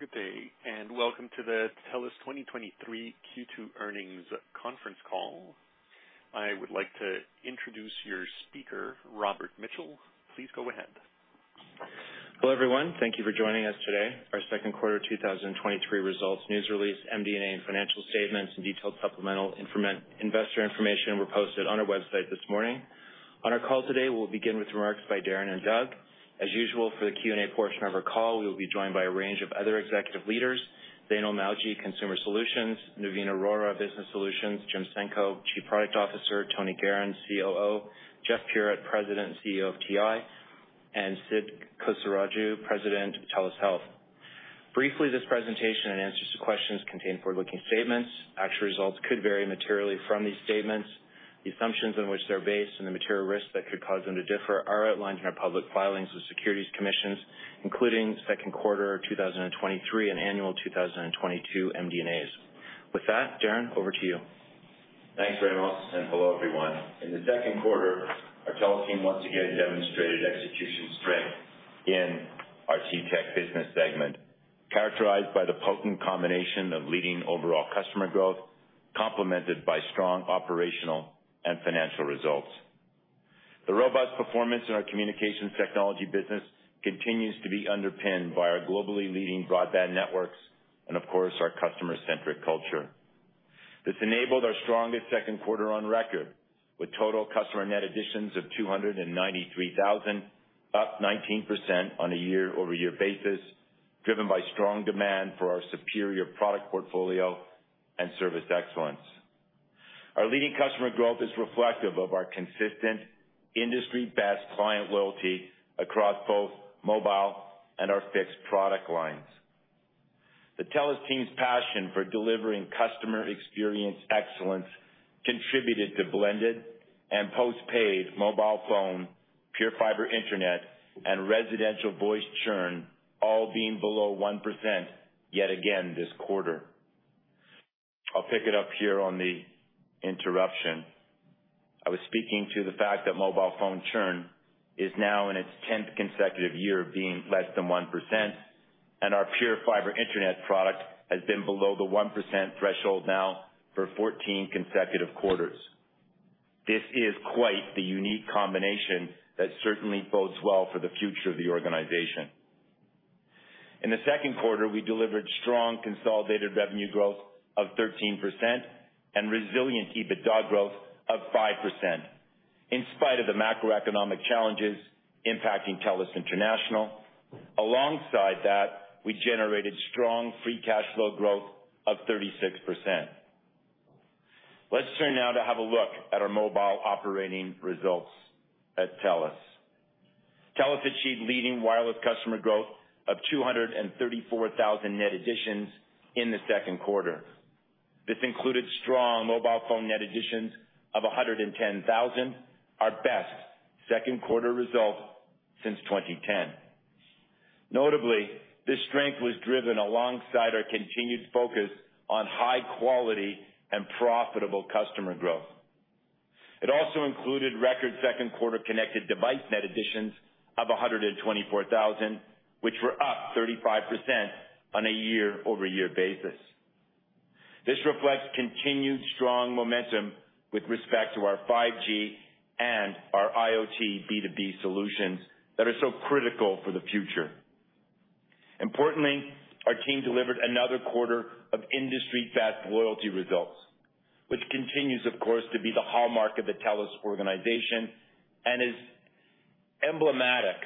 Good day, and welcome to the TELUS 2023 Q2 earnings conference call. I would like to introduce your speaker, Robert Mitchell. Please go ahead. Hello, everyone. Thank you for joining us today. Our second quarter 2023 results, news release, MD&A, and financial statements and detailed supplemental investor information were posted on our website this morning. On our call today, we'll begin with remarks by Darren and Doug. As usual, for the Q&A portion of our call, we will be joined by a range of other executive leaders, Zainul Mawji, Consumer Solutions; Navin Arora, Business Solutions; Jim Senko, Chief Product Officer; Tony Geheran, COO; Jeff Puritt, President and CEO of TI, and Sid Kosaraju, President, TELUS Health. Briefly, this presentation and answers to questions contain forward-looking statements. Actual results could vary materially from these statements. The assumptions on which they're based and the material risks that could cause them to differ are outlined in our public filings with securities commissions, including second quarter 2023 and annual 2022 MD&As. With that, Darren, over to you. Thanks very much. Hello, everyone. In the second quarter, our TELUS team once again demonstrated execution strength in our TTech business segment, characterized by the potent combination of leading overall customer growth, complemented by strong operational and financial results. The robust performance in our communications technology business continues to be underpinned by our globally leading broadband networks and, of course, our customer-centric culture. This enabled our strongest second quarter on record, with total customer net additions of 293,000, up 19% on a year-over-year basis, driven by strong demand for our superior product portfolio and service excellence. Our leading customer growth is reflective of our consistent industry-best client loyalty across both mobile and our fixed product lines. The TELUS team's passion for delivering customer experience excellence contributed to blended and postpaid mobile phone, PureFibre internet, and residential voice churn, all being below 1% yet again this quarter. I'll pick it up here on the interruption. I was speaking to the fact that mobile phone churn is now in its tenth consecutive year of being less than 1%, and our PureFibre internet product has been below the 1% threshold now for 14 consecutive quarters. This is quite the unique combination that certainly bodes well for the future of the organization. In the second quarter, we delivered strong consolidated revenue growth of 13% and resilient EBITDA growth of 5%, in spite of the macroeconomic challenges impacting TELUS International. Alongside that, we generated strong free cash flow growth of 36%. Let's turn now to have a look at our mobile operating results at TELUS. TELUS achieved leading wireless customer growth of 234,000 net additions in the second quarter. This included strong mobile phone net additions of 110,000, our best second quarter result since 2010. Notably, this strength was driven alongside our continued focus on high quality and profitable customer growth. It also included record second quarter connected device net additions of 124,000, which were up 35% on a year-over-year basis. This reflects continued strong momentum with respect to our 5G and our IoT B2B solutions that are so critical for the future. Importantly, our team delivered another quarter of industry-best loyalty results, which continues, of course, to be the hallmark of the TELUS organization and is emblematic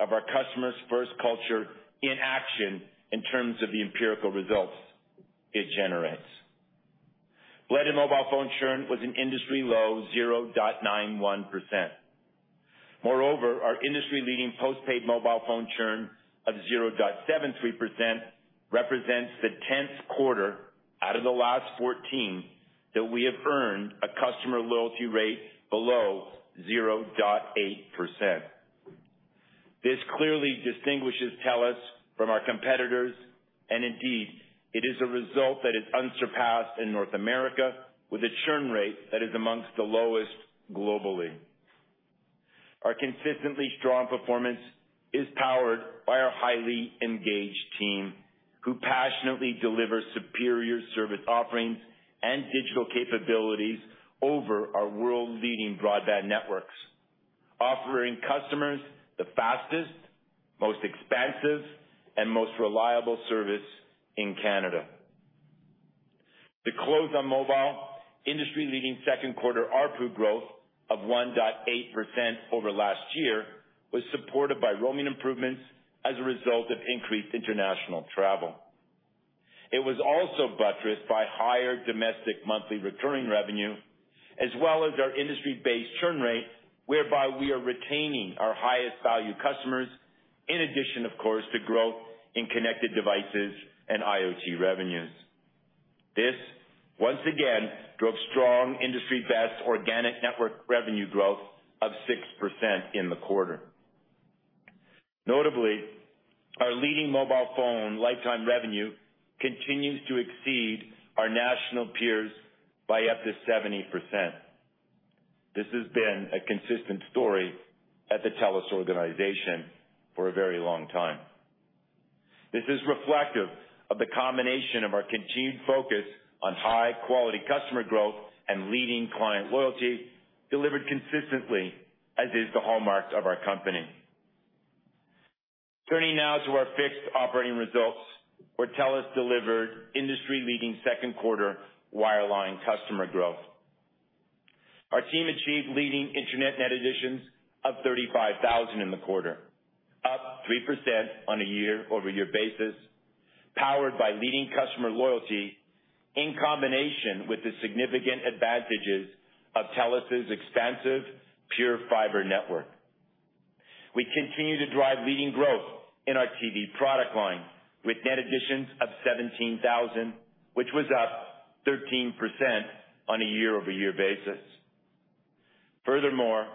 of our customers' first culture in action in terms of the empirical results it generates. Blended mobile phone churn was an industry-low 0.91%. Moreover our industry-leading postpaid mobile phone churn of 0.73% represents the tenth quarter out of the last 14 that we have earned a customer loyalty rate below 0.8%. This clearly distinguishes TELUS from our competitors, indeed, it is a result that is unsurpassed in North America with a churn rate that is amongst the lowest globally. Our consistently strong performance is powered by our highly engaged team, who passionately deliver superior service offerings and digital capabilities over our world-leading broadband networks, offering customers the fastest, most expansive, and most reliable service in Canada. To close on mobile, industry-leading second quarter ARPU growth of 1.8% over last year was supported by roaming improvements as a result of increased international travel. It was also buttressed by higher domestic monthly recurring revenue, as well as our industry-based churn rate, whereby we are retaining our highest value customers, in addition, of course, to growth in connected devices and IoT revenues. This, once again, drove strong industry-best organic network revenue growth of 6% in the quarter. Notably, our leading mobile phone lifetime revenue continues to exceed our national peers by up to 70%. This has been a consistent story at the TELUS organization for a very long time. This is reflective of the combination of our continued focus on high-quality customer growth and leading client loyalty, delivered consistently, as is the hallmarks of our company. Turning now to our fixed operating results, where TELUS delivered industry-leading second quarter wireline customer growth. Our team achieved leading internet net additions of 35,000 in the quarter, up 3% on a year-over-year basis, powered by leading customer loyalty in combination with the significant advantages of TELUS's expansive PureFibre network. We continue to drive leading growth in our TV product line, with net additions of 17,000, which was up 13% on a year-over-year basis. Furthermore,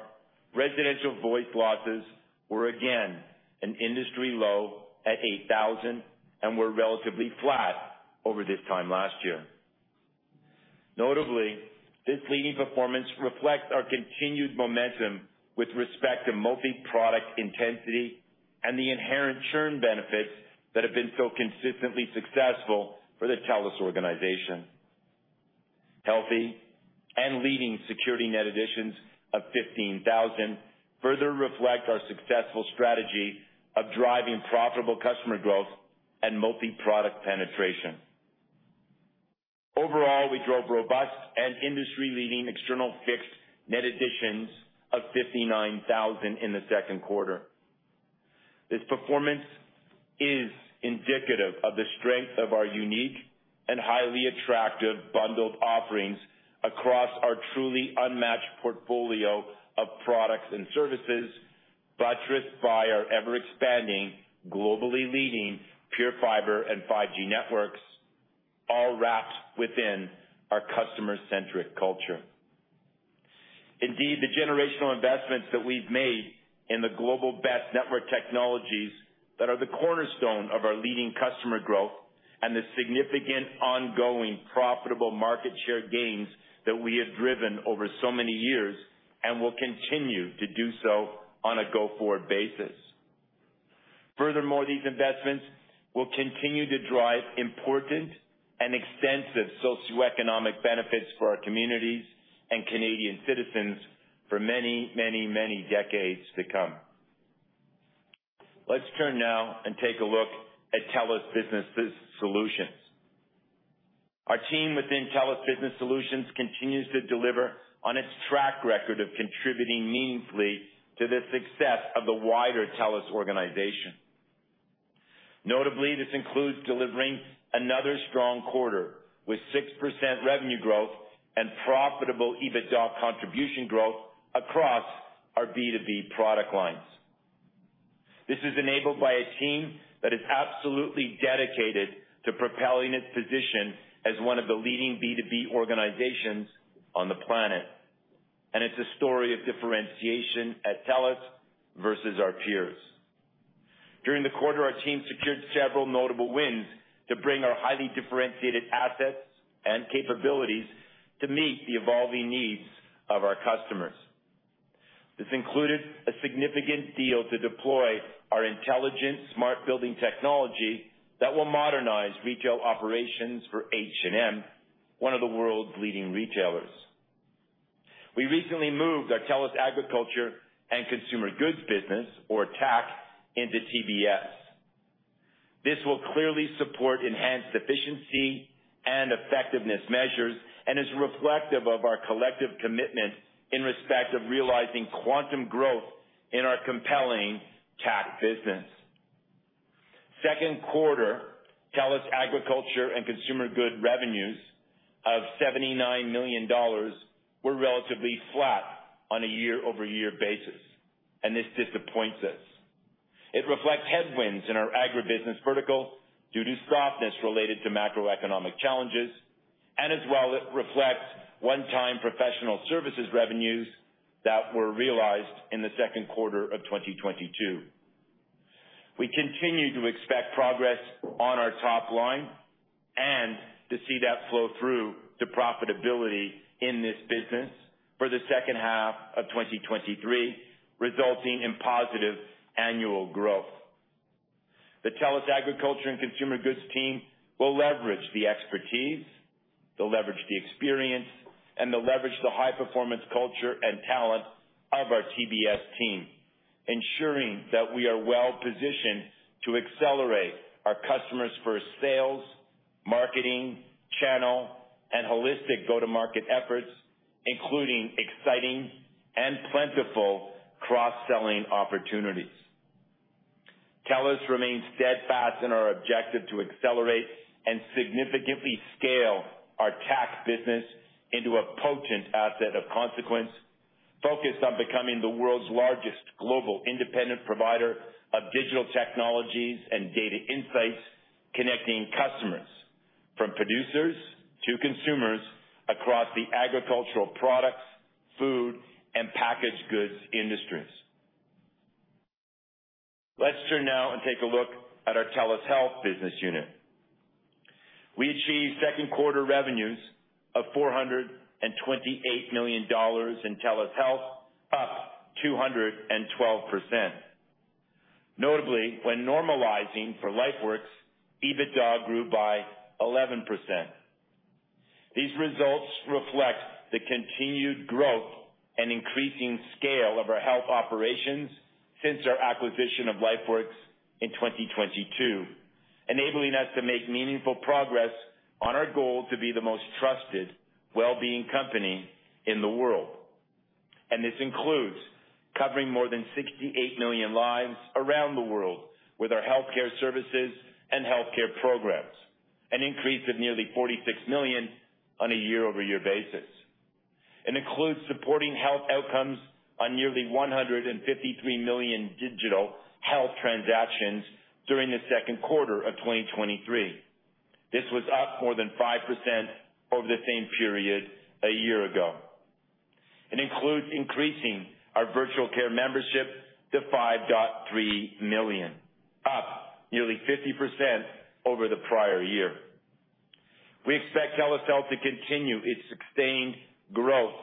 residential voice losses were again an industry low at 8,000 and were relatively flat over this time last year. Notably, this leading performance reflects our continued momentum with respect to multi-product intensity and the inherent churn benefits that have been so consistently successful for the TELUS organization. Healthy and leading security net additions of 15,000 further reflect our successful strategy of driving profitable customer growth and multi-product penetration. Overall, we drove robust and industry-leading external fixed net additions of 59,000 in the second quarter. This performance is indicative of the strength of our unique and highly attractive bundled offerings across our truly unmatched portfolio of products and services, buttressed by our ever-expanding, globally leading PureFibre and 5G networks, all wrapped within our customer-centric culture. Indeed, the generational investments that we've made in the global best network technologies that are the cornerstone of our leading customer growth and the significant ongoing profitable market share gains that we have driven over so many years and will continue to do so on a go-forward basis. Furthermore, these investments will continue to drive important and extensive socioeconomic benefits for our communities and Canadian citizens for many, many, many decades to come. Let's turn now and take a look at TELUS Businesses Solutions. Our team within TELUS Business Solutions continues to deliver on its track record of contributing meaningfully to the success of the wider TELUS organization. Notably, this includes delivering another strong quarter, with 6% revenue growth and profitable EBITDA contribution growth across our B2B product lines. This is enabled by a team that is absolutely dedicated to propelling its position as one of the leading B2B organizations on the planet, and it's a story of differentiation at TELUS versus our peers. During the quarter, our team secured several notable wins to bring our highly differentiated assets and capabilities to meet the evolving needs of our customers. This included a significant deal to deploy our intelligent Smart Building technology that will modernize retail operations for H&M, one of the world's leading retailers. We recently moved our TELUS Agriculture & Consumer Goods business, or TAC, into TBS. This will clearly support enhanced efficiency and effectiveness measures and is reflective of our collective commitment in respect of realizing quantum growth in our compelling TAC business. Second quarter, TELUS Agriculture & Consumer Goods revenues of 79 million dollars were relatively flat on a year-over-year basis, and this disappoints us. It reflects headwinds in our agribusiness vertical due to softness related to macroeconomic challenges. As well, it reflects one-time professional services revenues that were realized in the second quarter of 2022. We continue to expect progress on our top line and to see that flow through to profitability in this business for the second half of 2023, resulting in positive annual growth. The TELUS Agriculture & Consumer Goods team will leverage the expertise, they'll leverage the experience, and they'll leverage the high-performance culture and talent of our TBS team, ensuring that we are well-positioned to accelerate our customers for sales, marketing, channel, and holistic go-to-market efforts, including exciting and plentiful cross-selling opportunities. TELUS remains steadfast in our objective to accelerate and significantly scale our TAC business into a potent asset of consequence, focused on becoming the world's largest global independent provider of digital technologies and data insights, connecting customers from producers to consumers across the agricultural products, food, and packaged goods industries. Let's turn now and take a look at our TELUS Health business unit. We achieved second quarter revenues of 428 million dollars in TELUS Health, up 212%. Notably, when normalizing for LifeWorks, EBITDA grew by 11%. These results reflect the continued growth and increasing scale of our health operations since our acquisition of LifeWorks in 2022, enabling us to make meaningful progress on our goal to be the most trusted wellbeing company in the world. This includes covering more than 68 million lives around the world with our healthcare services and healthcare programs, an increase of nearly 46 million on a year-over-year basis. It includes supporting health outcomes on nearly 153 million digital health transactions during the second quarter of 2023. This was up more than 5% over the same period a year ago. It includes increasing our virtual care membership to 5.3 million, up nearly 50% over the prior year. We expect TELUS Health to continue its sustained growth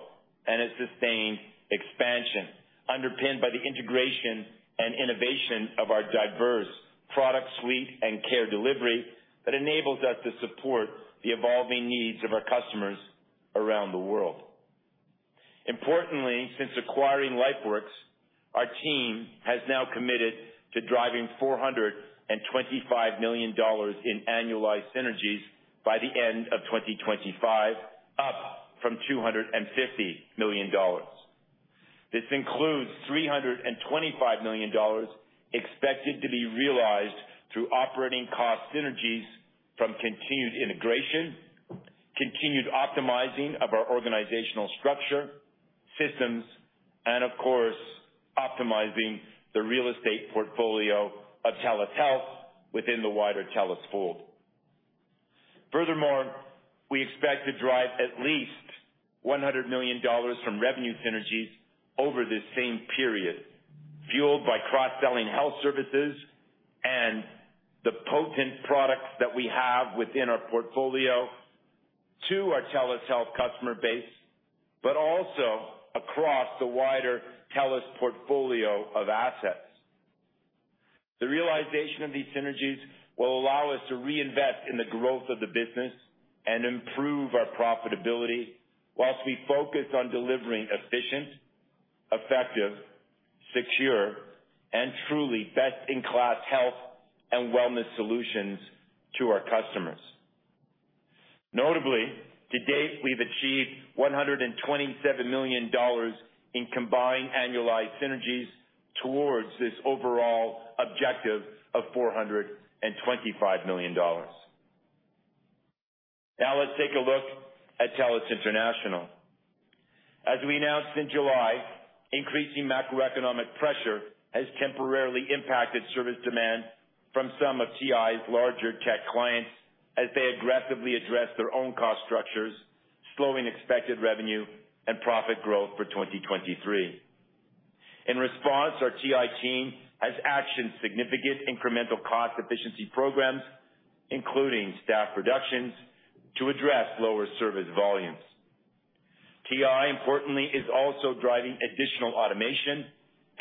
and its sustained expansion, underpinned by the integration and innovation of our diverse product suite and care delivery that enables us to support the evolving needs of our customers around the world. Importantly, since acquiring LifeWorks, our team has now committed to driving 425 million dollars in annualized synergies by the end of 2025, up from 250 million dollars. This includes 325 million dollars expected to be realized through operating cost synergies from continued integration, continued optimizing of our organizational structure, systems, and of course, optimizing the real estate portfolio of TELUS Health within the wider TELUS fold. Furthermore, we expect to drive at least 100 million dollars from revenue synergies over this same period, fueled by cross-selling health services and the potent products that we have within our portfolio to our TELUS Health customer base, but also across the wider TELUS portfolio of assets. The realization of these synergies will allow us to reinvest in the growth of the business and improve our profitability whilst we focus on delivering efficient, effective, secure, and truly best-in-class health and wellness solutions to our customers. Notably, to date, we've achieved 127 million dollars in combined annualized synergies towards this overall objective of 425 million dollars. Let's take a look at TELUS International. As we announced in July, increasing macroeconomic pressure has temporarily impacted service demand from some of TI's larger tech clients as they aggressively address their own cost structures, slowing expected revenue and profit growth for 2023. In response, our TI team has actioned significant incremental cost efficiency programs, including staff reductions, to address lower service volumes. TI, importantly, is also driving additional automation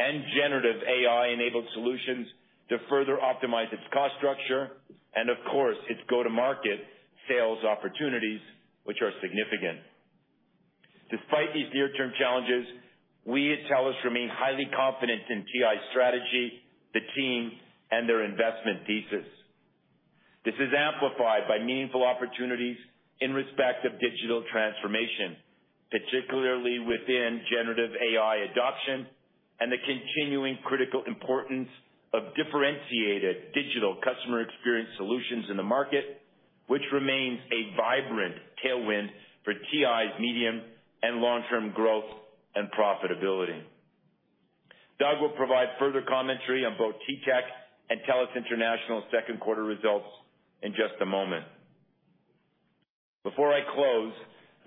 and generative AI-enabled solutions to further optimize its cost structure and of course, its go-to-market sales opportunities, which are significant. Despite these near-term challenges, we at TELUS remain highly confident in TI's strategy, the team, and their investment thesis. This is amplified by meaningful opportunities in respect of digital transformation, particularly within generative AI adoption and the continuing critical importance of differentiated digital customer experience solutions in the market, which remains a vibrant tailwind for TI's medium and long-term growth and profitability. Doug will provide further commentary on both TTech and TELUS International's second quarter results in just a moment. Before I close,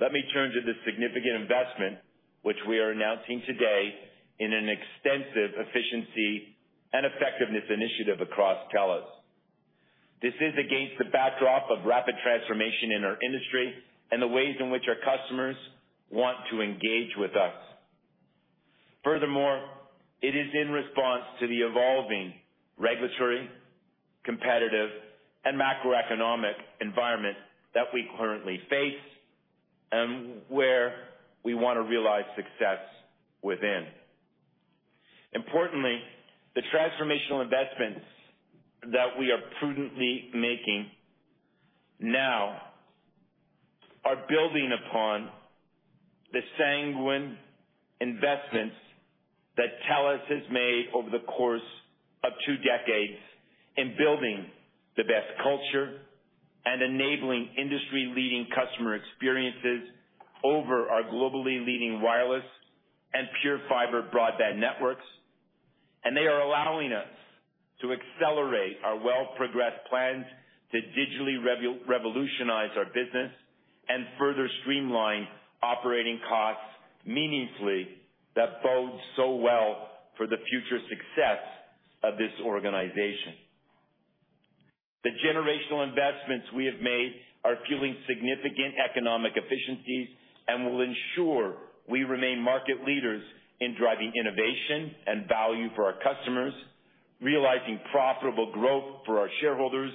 let me turn to the significant investment which we are announcing today in an extensive efficiency and effectiveness initiative across TELUS. This is against the backdrop of rapid transformation in our industry and the ways in which our customers want to engage with us. Furthermore, it is in response to the evolving regulatory, competitive, and macroeconomic environment that we currently face and where we want to realize success within. Importantly, the transformational investments that we are prudently making now are building upon the sanguine investments that TELUS has made over the course of two decades in building the best culture and enabling industry-leading customer experiences over our globally leading wireless and PureFibre broadband networks, and they are allowing us to accelerate our well-progressed plans to digitally revolutionize our business, and further streamline operating costs meaningfully that bodes so well for the future success of this organization. The generational investments we have made are fueling significant economic efficiencies and will ensure we remain market leaders in driving innovation and value for our customers, realizing profitable growth for our shareholders,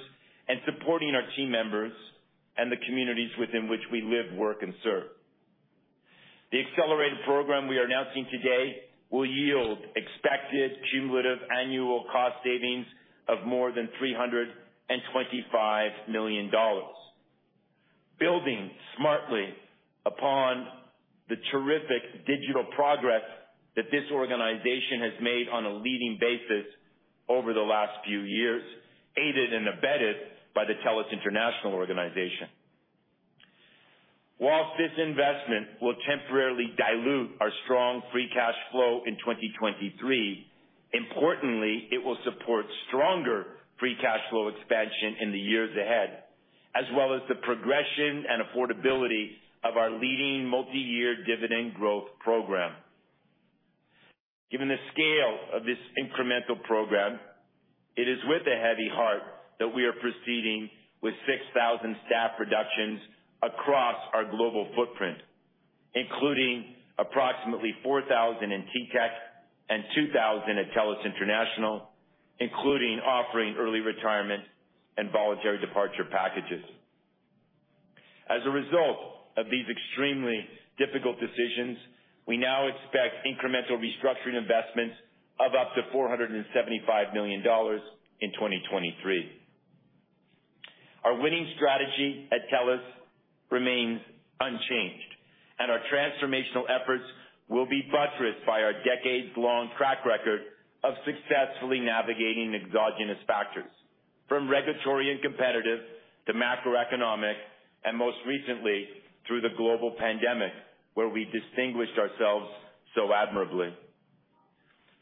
and supporting our team members and the communities within which we live, work, and serve. The accelerated program we are announcing today will yield expected cumulative annual cost savings of more than 325 million dollars, building smartly upon the terrific digital progress that this organization has made on a leading basis over the last few years, aided and abetted by the TELUS International organization. Whilst this investment will temporarily dilute our strong free cash flow in 2023, importantly, it will support stronger free cash flow expansion in the years ahead, as well as the progression and affordability of our leading multiyear dividend growth program. Given the scale of this incremental program, it is with a heavy heart that we are proceeding with 6,000 staff reductions across our global footprint, including approximately 4,000 in TTech and 2,000 at TELUS International, including offering early retirement and voluntary departure packages. As a result of these extremely difficult decisions, we now expect incremental restructuring investments of up to 475 million dollars in 2023. Our winning strategy at TELUS remains unchanged. Our transformational efforts will be buttressed by our decades-long track record of successfully navigating exogenous factors, from regulatory and competitive to macroeconomic, and most recently, through the global pandemic, where we distinguished ourselves so admirably.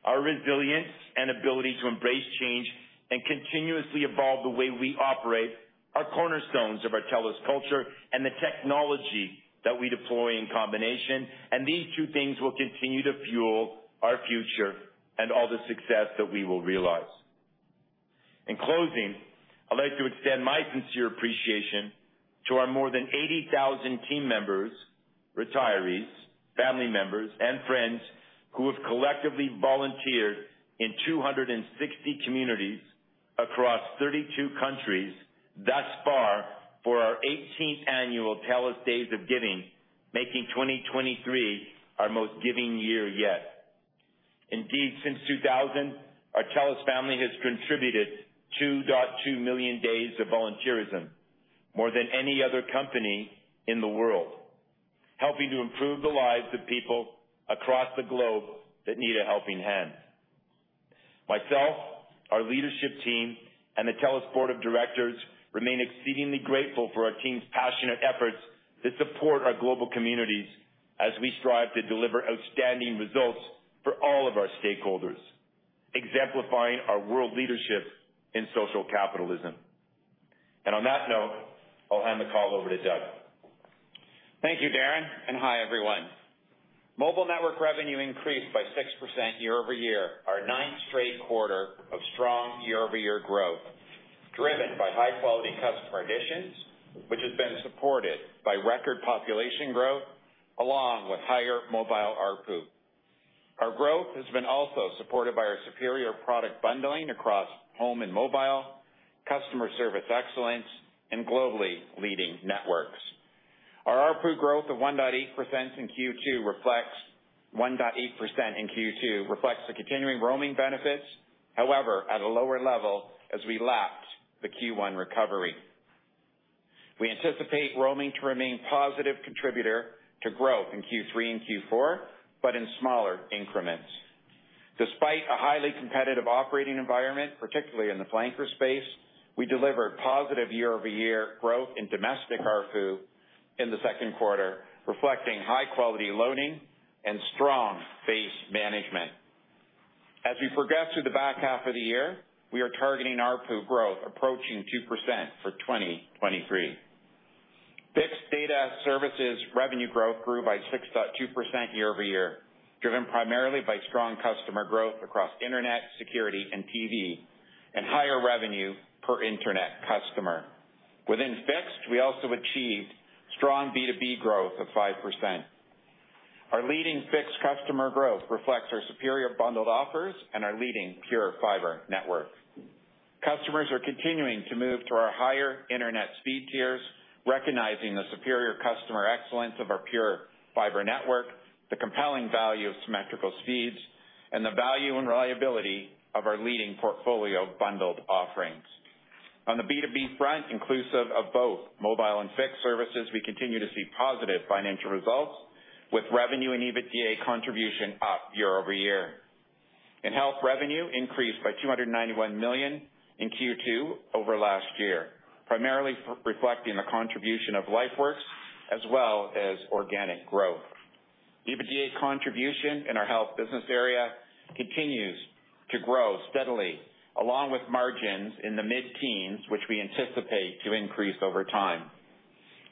Our resilience and ability to embrace change and continuously evolve the way we operate are cornerstones of our TELUS culture and the technology that we deploy in combination, these two things will continue to fuel our future and all the success that we will realize. In closing, I'd like to extend my sincere appreciation to our more than 80,000 team members, retirees, family members, and friends who have collectively volunteered in 260 communities across 32 countries thus far for our 18th annual TELUS Days of Giving, making 2023 our most giving year yet. Indeed, since 2000, our TELUS family has contributed 2.2 million days of volunteerism, more than any other company in the world, helping to improve the lives of people across the globe that need a helping hand. Myself, our leadership team, and the TELUS board of directors remain exceedingly grateful for our team's passionate efforts to support our global communities as we strive to deliver outstanding results for all of our stakeholders, exemplifying our world leadership in social capitalism. On that note, I'll hand the call over to Doug. Thank you, Darren. Hi, everyone. Mobile network revenue increased by 6% year-over-year, our ninth straight quarter of strong year-over-year growth, driven by high-quality customer additions, which has been supported by record population growth along with higher mobile ARPU. Our growth has been also supported by our superior product bundling across home and mobile, customer service excellence, and globally leading networks. Our ARPU growth of 1.8% in Q2 reflects the continuing roaming benefits, however, at a lower level, as we lapsed the Q1 recovery. We anticipate roaming to remain positive contributor to growth in Q3 and Q4, but in smaller increments. Despite a highly competitive operating environment, particularly in the flanker space, we delivered positive year-over-year growth in domestic ARPU in the second quarter, reflecting high-quality loading and strong base management. As we progress through the back half of the year, we are targeting ARPU growth approaching 2% for 2023. Fixed data services revenue growth grew by 6.2% year-over-year, driven primarily by strong customer growth across internet, security, and TV, and higher revenue per internet customer. Within Fixed, we also achieved strong B2B growth of 5%. Our leading fixed customer growth reflects our superior bundled offers and our leading PureFibre network. Customers are continuing to move to our higher internet speed tiers, recognizing the superior customer excellence of our PureFibre network, the compelling value of symmetrical speeds, and the value and reliability of our leading portfolio bundled offerings. On the B2B front, inclusive of both mobile and fixed services, we continue to see positive financial results, with revenue and EBITDA contribution up year-over-year. In health, revenue increased by 291 million in Q2 over last year, primarily reflecting the contribution of LifeWorks as well as organic growth. EBITDA contribution in our health business area continues to grow steadily, along with margins in the mid-teens, which we anticipate to increase over time.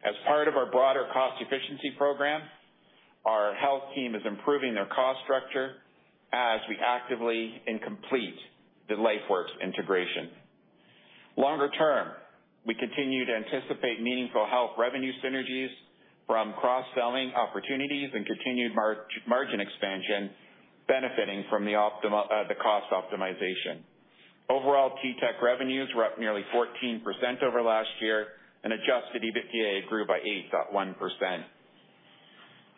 As part of our broader cost efficiency program, our health team is improving their cost structure as we actively and complete the LifeWorks integration. Longer term, we continue to anticipate meaningful health revenue synergies from cross-selling opportunities and continued margin expansion, benefiting from the cost optimization. Overall, TTech revenues were up nearly 14% over last year, and Adjusted EBITDA grew by 8.1%.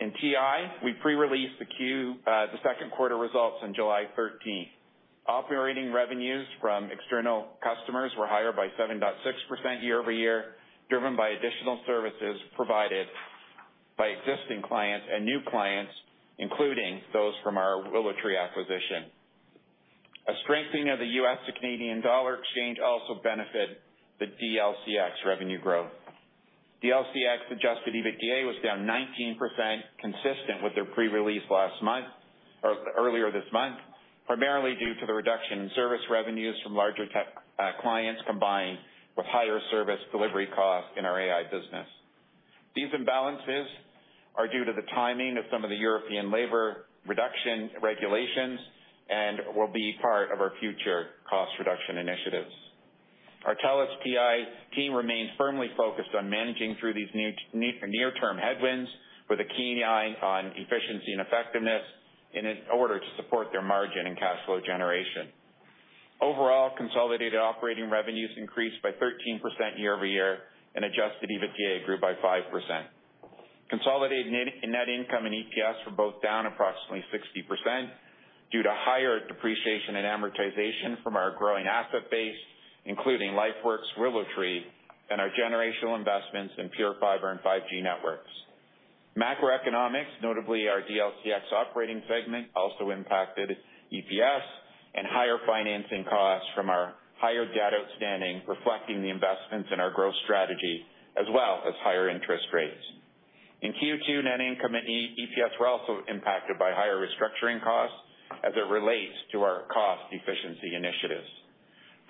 In TI, we pre-released the second quarter results on July 13th. Operating revenues from external customers were higher by 7.6% year-over-year, driven by additional services provided by existing clients and new clients, including those from our WillowTree acquisition. A strengthening of the U.S. to Canadian dollar exchange also benefited the DLCX revenue growth. DLCX Adjusted EBITDA was down 19%, consistent with their pre-release last month, or earlier this month, primarily due to the reduction in service revenues from larger tech clients, combined with higher service delivery costs in our AI business. These imbalances are due to the timing of some of the European labor reduction regulations and will be part of our future cost reduction initiatives. Our TELUS TI team remains firmly focused on managing through these new near-term headwinds, with a keen eye on efficiency and effectiveness in an order to support their margin and cash flow generation. Overall, consolidated operating revenues increased by 13% year-over-year, and Adjusted EBITDA grew by 5%. Consolidated net, net income and EPS were both down approximately 60% due to higher depreciation and amortization from our growing asset base, including LifeWorks, WillowTree, and our generational investments in PureFibre and 5G networks. Macroeconomics, notably our DLCX operating segment, also impacted EPS and higher financing costs from our higher debt outstanding, reflecting the investments in our growth strategy, as well as higher interest rates. In Q2, net income and EPS were also impacted by higher restructuring costs as it relates to our cost efficiency initiatives.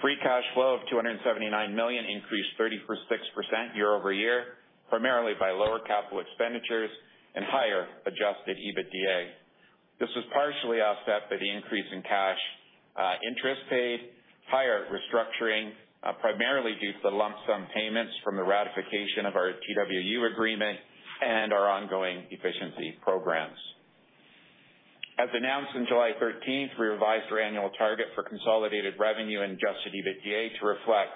Free cash flow of 279 million increased 36% year-over-year, primarily by lower capital expenditures and higher Adjusted EBITDA. This was partially offset by the increase in cash, interest paid, higher restructuring, primarily due to the lump sum payments from the ratification of our TWU agreement and our ongoing efficiency programs. As announced on July 13th, we revised our annual target for consolidated revenue and Adjusted EBITDA to reflect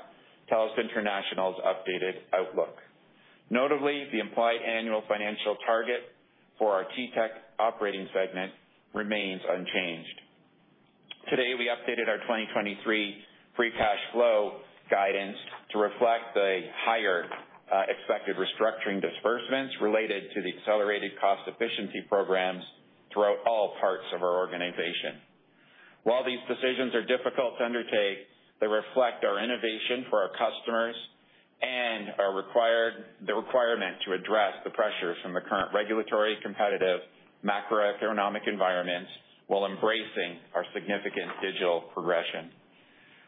TELUS International's updated outlook. Notably, the implied annual financial target for our TTech operating segment remains unchanged. Today, we updated our 2023 free cash flow guidance to reflect the higher, expected restructuring disbursements related to the accelerated cost efficiency programs throughout all parts of our organization. While these decisions are difficult to undertake, they reflect our innovation for our customers and are required, the requirement to address the pressures from the current regulatory, competitive, macroeconomic environments, while embracing our significant digital progression.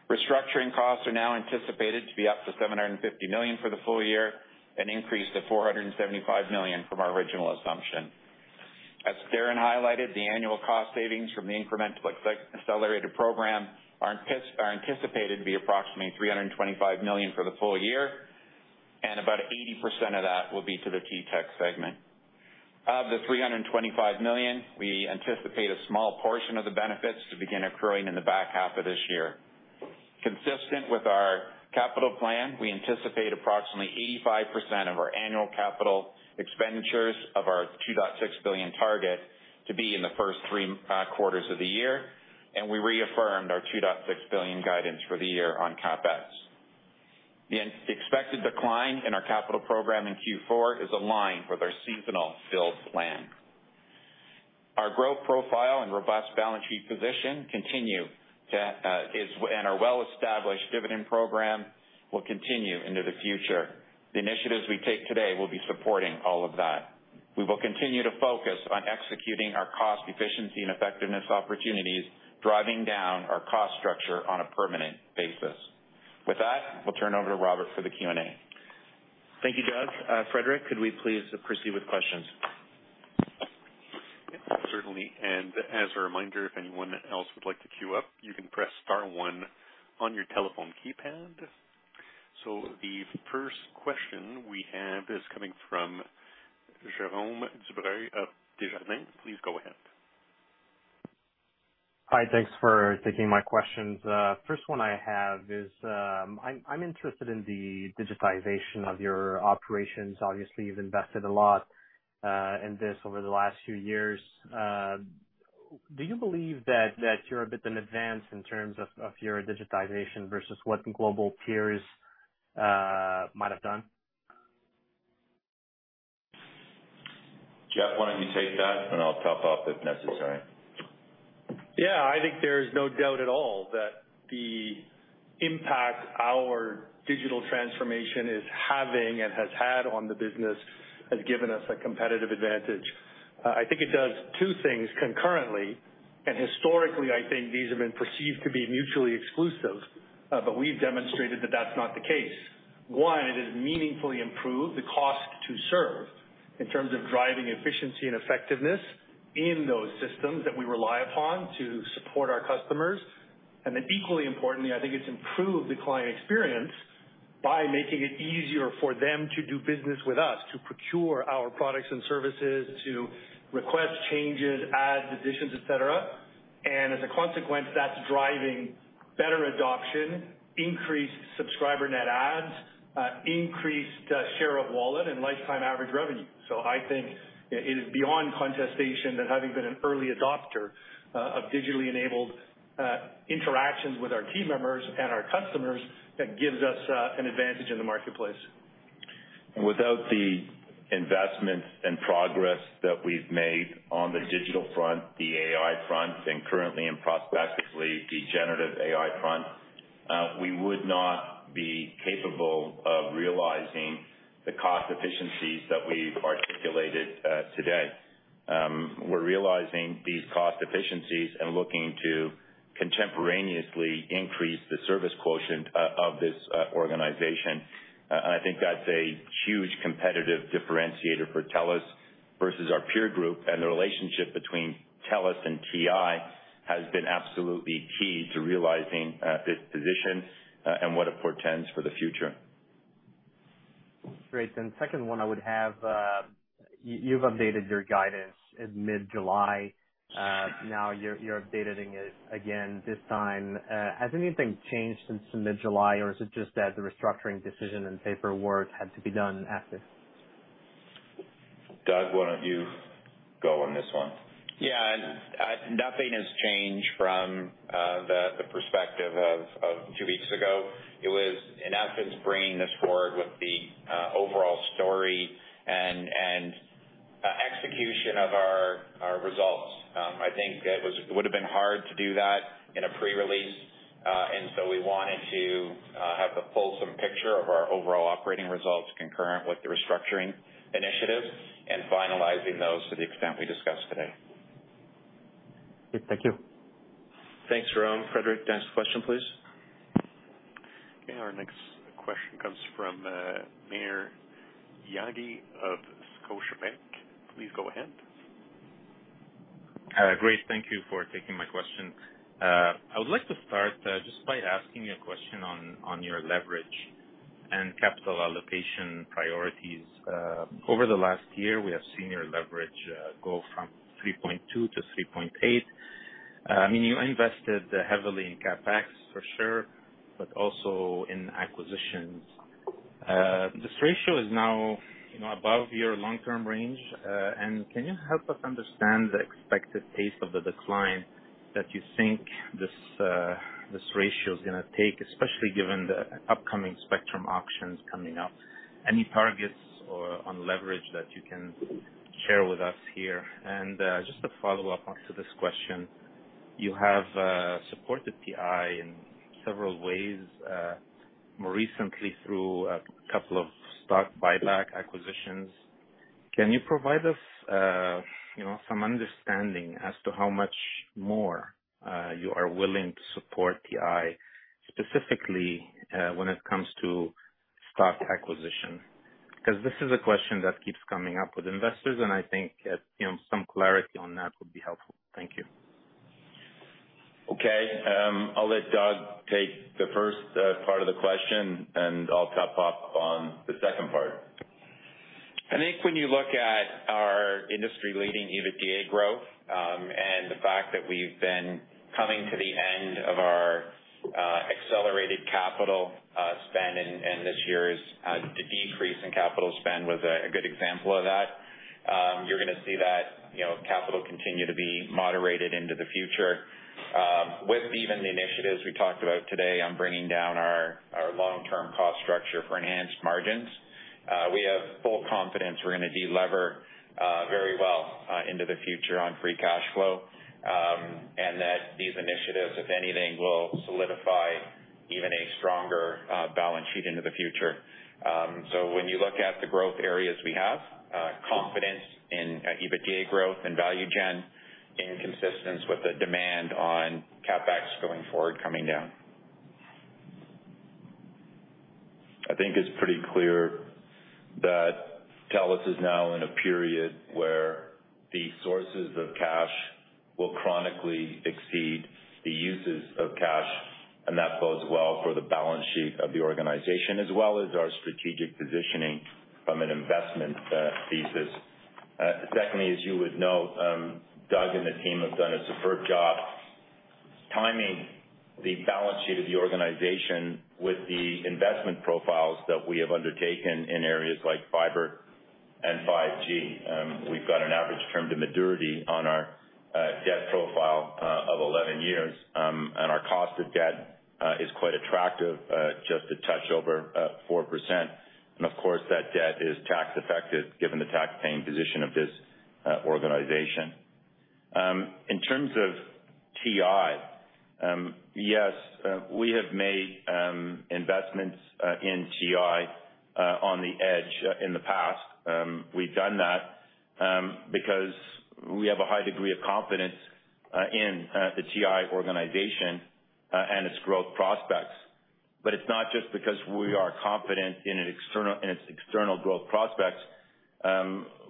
Restructuring costs are now anticipated to be up to 750 million for the full year, an increase to 475 million from our original assumption. As Darren highlighted, the annual cost savings from the incremental accelerated program are anticipated to be approximately 325 million for the full year, and about 80% of that will be to the TTech segment. Of the 325 million, we anticipate a small portion of the benefits to begin accruing in the back half of this year. Consistent with our capital plan, we anticipate approximately 85% of our annual capital expenditures of our 2.6 billion target to be in the first three quarters of the year, and we reaffirmed our 2.6 billion guidance for the year on CapEx. The expected decline in our capital program in Q4 is aligned with our seasonal build plan. Our growth profile and robust balance sheet position continue to, is, and our well-established dividend program will continue into the future. The initiatives we take today will be supporting all of that. We will continue to focus on executing our cost efficiency and effectiveness opportunities, driving down our cost structure on a permanent basis. With that, we'll turn over to Robert for the Q&A. Thank you, Doug. Frederick, could we please proceed with questions? Yeah, certainly. As a reminder, if anyone else would like to queue up, you can press star one on your telephone keypad. The first question we have is coming from Jérôme Dubreuil of Desjardins. Please go ahead. Hi. Thanks for taking my questions. first one I have is, I'm, I'm interested in the digitization of your operations. Obviously, you've invested a lot, in this over the last few years. do you believe that, that you're a bit in advance in terms of, of your digitization versus what global peers, might have done? Jeff, why don't you take that, and I'll top up if necessary? Yeah, I think there is no doubt at all that the impact our digital transformation is having and has had on the business has given us a competitive advantage. I think it does two things concurrently, and historically, I think these have been perceived to be mutually exclusive, but we've demonstrated that that's not the case. One, it has meaningfully improved the cost to serve in terms of driving efficiency and effectiveness in those systems that we rely upon to support our customers. Then, equally importantly, I think it's improved the client experience by making it easier for them to do business with us, to procure our products and services, to request changes, adds, additions, et cetera. As a consequence, that's driving better adoption, increased subscriber net adds, increased share of wallet and lifetime average revenue. I think it is beyond contestation that having been an early adopter of digitally enabled interactions with our team members and our customers, that gives us an advantage in the marketplace. Without the investments and progress that we've made on the digital front, the AI front, and currently and prospectively, the generative AI front, we would not be capable of realizing the cost efficiencies that we've articulated today. We're realizing these cost efficiencies and looking to contemporaneously increase the service quotient o-of this organization. I think that's a huge competitive differentiator for TELUS versus our peer group, and the relationship between TELUS and TI has been absolutely key to realizing this position, and what it portends for the future. Great. Second one, I would have, you've updated your guidance in mid-July. Now, you're updating it again, this time. Has anything changed since the mid-July, or is it just that the restructuring decision and paperwork had to be done after? Doug, why don't you go on this one? Yeah. Nothing has changed from the perspective of two weeks ago. It was in essence, bringing this forward with the overall story and execution of our results. I think it would have been hard to do that in a pre-release, and so we wanted to have the fulsome picture of our overall operating results concurrent with the restructuring initiatives and finalizing those to the extent we discussed today. Thank you. Thanks, Jerome. Frederick, next question, please. Okay, our next question comes from Maher Yaghi of Scotiabank. Please go ahead. Great. Thank you for taking my question. I would like to start just by asking you a question on your leverage and capital allocation priorities. Over the last year, we have seen your leverage go from 3.2 to 3.8. I mean, you invested heavily in CapEx for sure, but also in acquisitions. This ratio is now, you know, above your long-term range. Can you help us understand the expected pace of the decline that you think this ratio is gonna take, especially given the upcoming spectrum auctions coming up? Any targets or on leverage that you can share with us here? Just to follow up onto this question, you have supported TI in several ways, more recently through a couple of stock buyback acquisitions. Can you provide us, you know, some understanding as to how much more, you are willing to support TI, specifically, when it comes to stock acquisition? Because this is a question that keeps coming up with investors, and I think, you know, some clarity on that would be helpful. Thank you. Okay. I'll let Doug take the first part of the question, and I'll top off on the second part. I think when you look at our industry-leading EBITDA growth, and the fact that we've been coming to the end of our accelerated capital spend, and this year's decrease in capital spend was a good example of that. You're gonna see that, you know, capital continue to be moderated into the future. With even the initiatives we talked about today on bringing down our long-term cost structure for enhanced margins, we have full confidence we're gonna de-lever very well into the future on free cash flow, and that these initiatives, if anything, will solidify even a stronger balance sheet into the future. When you look at the growth areas, we have confidence in EBITDA growth and value gen, in consistence with the demand on CapEx going forward, coming down. I think it's pretty clear that TELUS is now in a period where the sources of cash will chronically exceed the uses of cash. That bodes well for the balance sheet of the organization, as well as our strategic positioning from an investment thesis. Secondly, as you would know, Doug and the team have done a superb job timing the balance sheet of the organization with the investment profiles that we have undertaken in areas like fiber and 5G. We've got an average term to maturity on our debt profile of 11 years. Our cost of debt, quite attractive, just a touch over 4%. Of course, that debt is tax effective, given the tax-paying position of this organization. In terms of TI, yes, we have made investments in TI on the edge in the past. We've done that because we have a high degree of confidence in the TI organization and its growth prospects. It's not just because we are confident in an external- in its external growth prospects,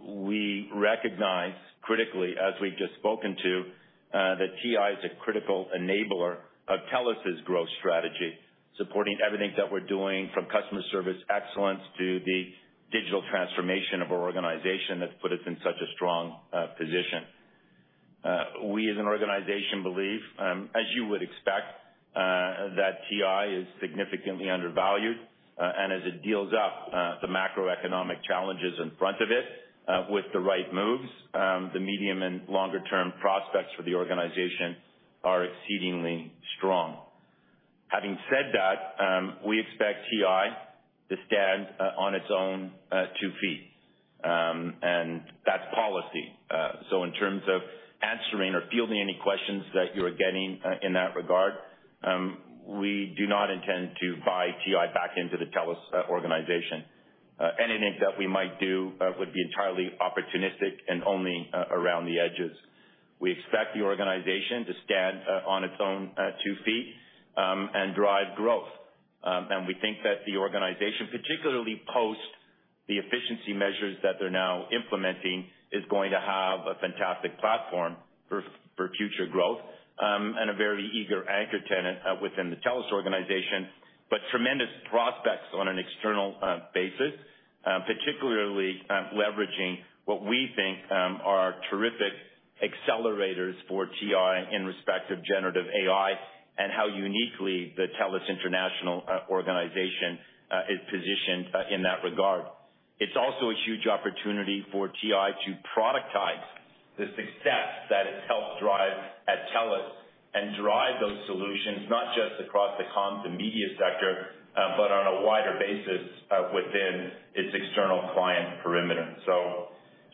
we recognize critically, as we've just spoken to, that TI is a critical enabler of TELUS's growth strategy, supporting everything that we're doing from customer service excellence to the digital transformation of our organization that's put us in such a strong position. We, as an organization, believe, as you would expect, that TI is significantly undervalued. And as it deals up the macroeconomic challenges in front of it, with the right moves, the medium and longer term prospects for the organization are exceedingly strong. Having said that, we expect TI to stand on its own two feet. And that's policy. So in terms of answering or fielding any questions that you're getting in that regard, we do not intend to buy TI back into the TELUS organization. Anything that we might do would be entirely opportunistic and only around the edges. We expect the organization to stand on its own two feet and drive growth. We think that the organization, particularly post the efficiency measures that they're now implementing, is going to have a fantastic platform for, for future growth, and a very eager anchor tenant within the TELUS organization, but tremendous prospects on an external basis, particularly leveraging what we think are terrific accelerators for TI in respect of generative AI and how uniquely the TELUS International organization is positioned in that regard. It's also a huge opportunity for TI to productize the success that it's helped drive at TELUS and drive those solutions, not just across the comms and media sector, but on a wider basis within its external client perimeter.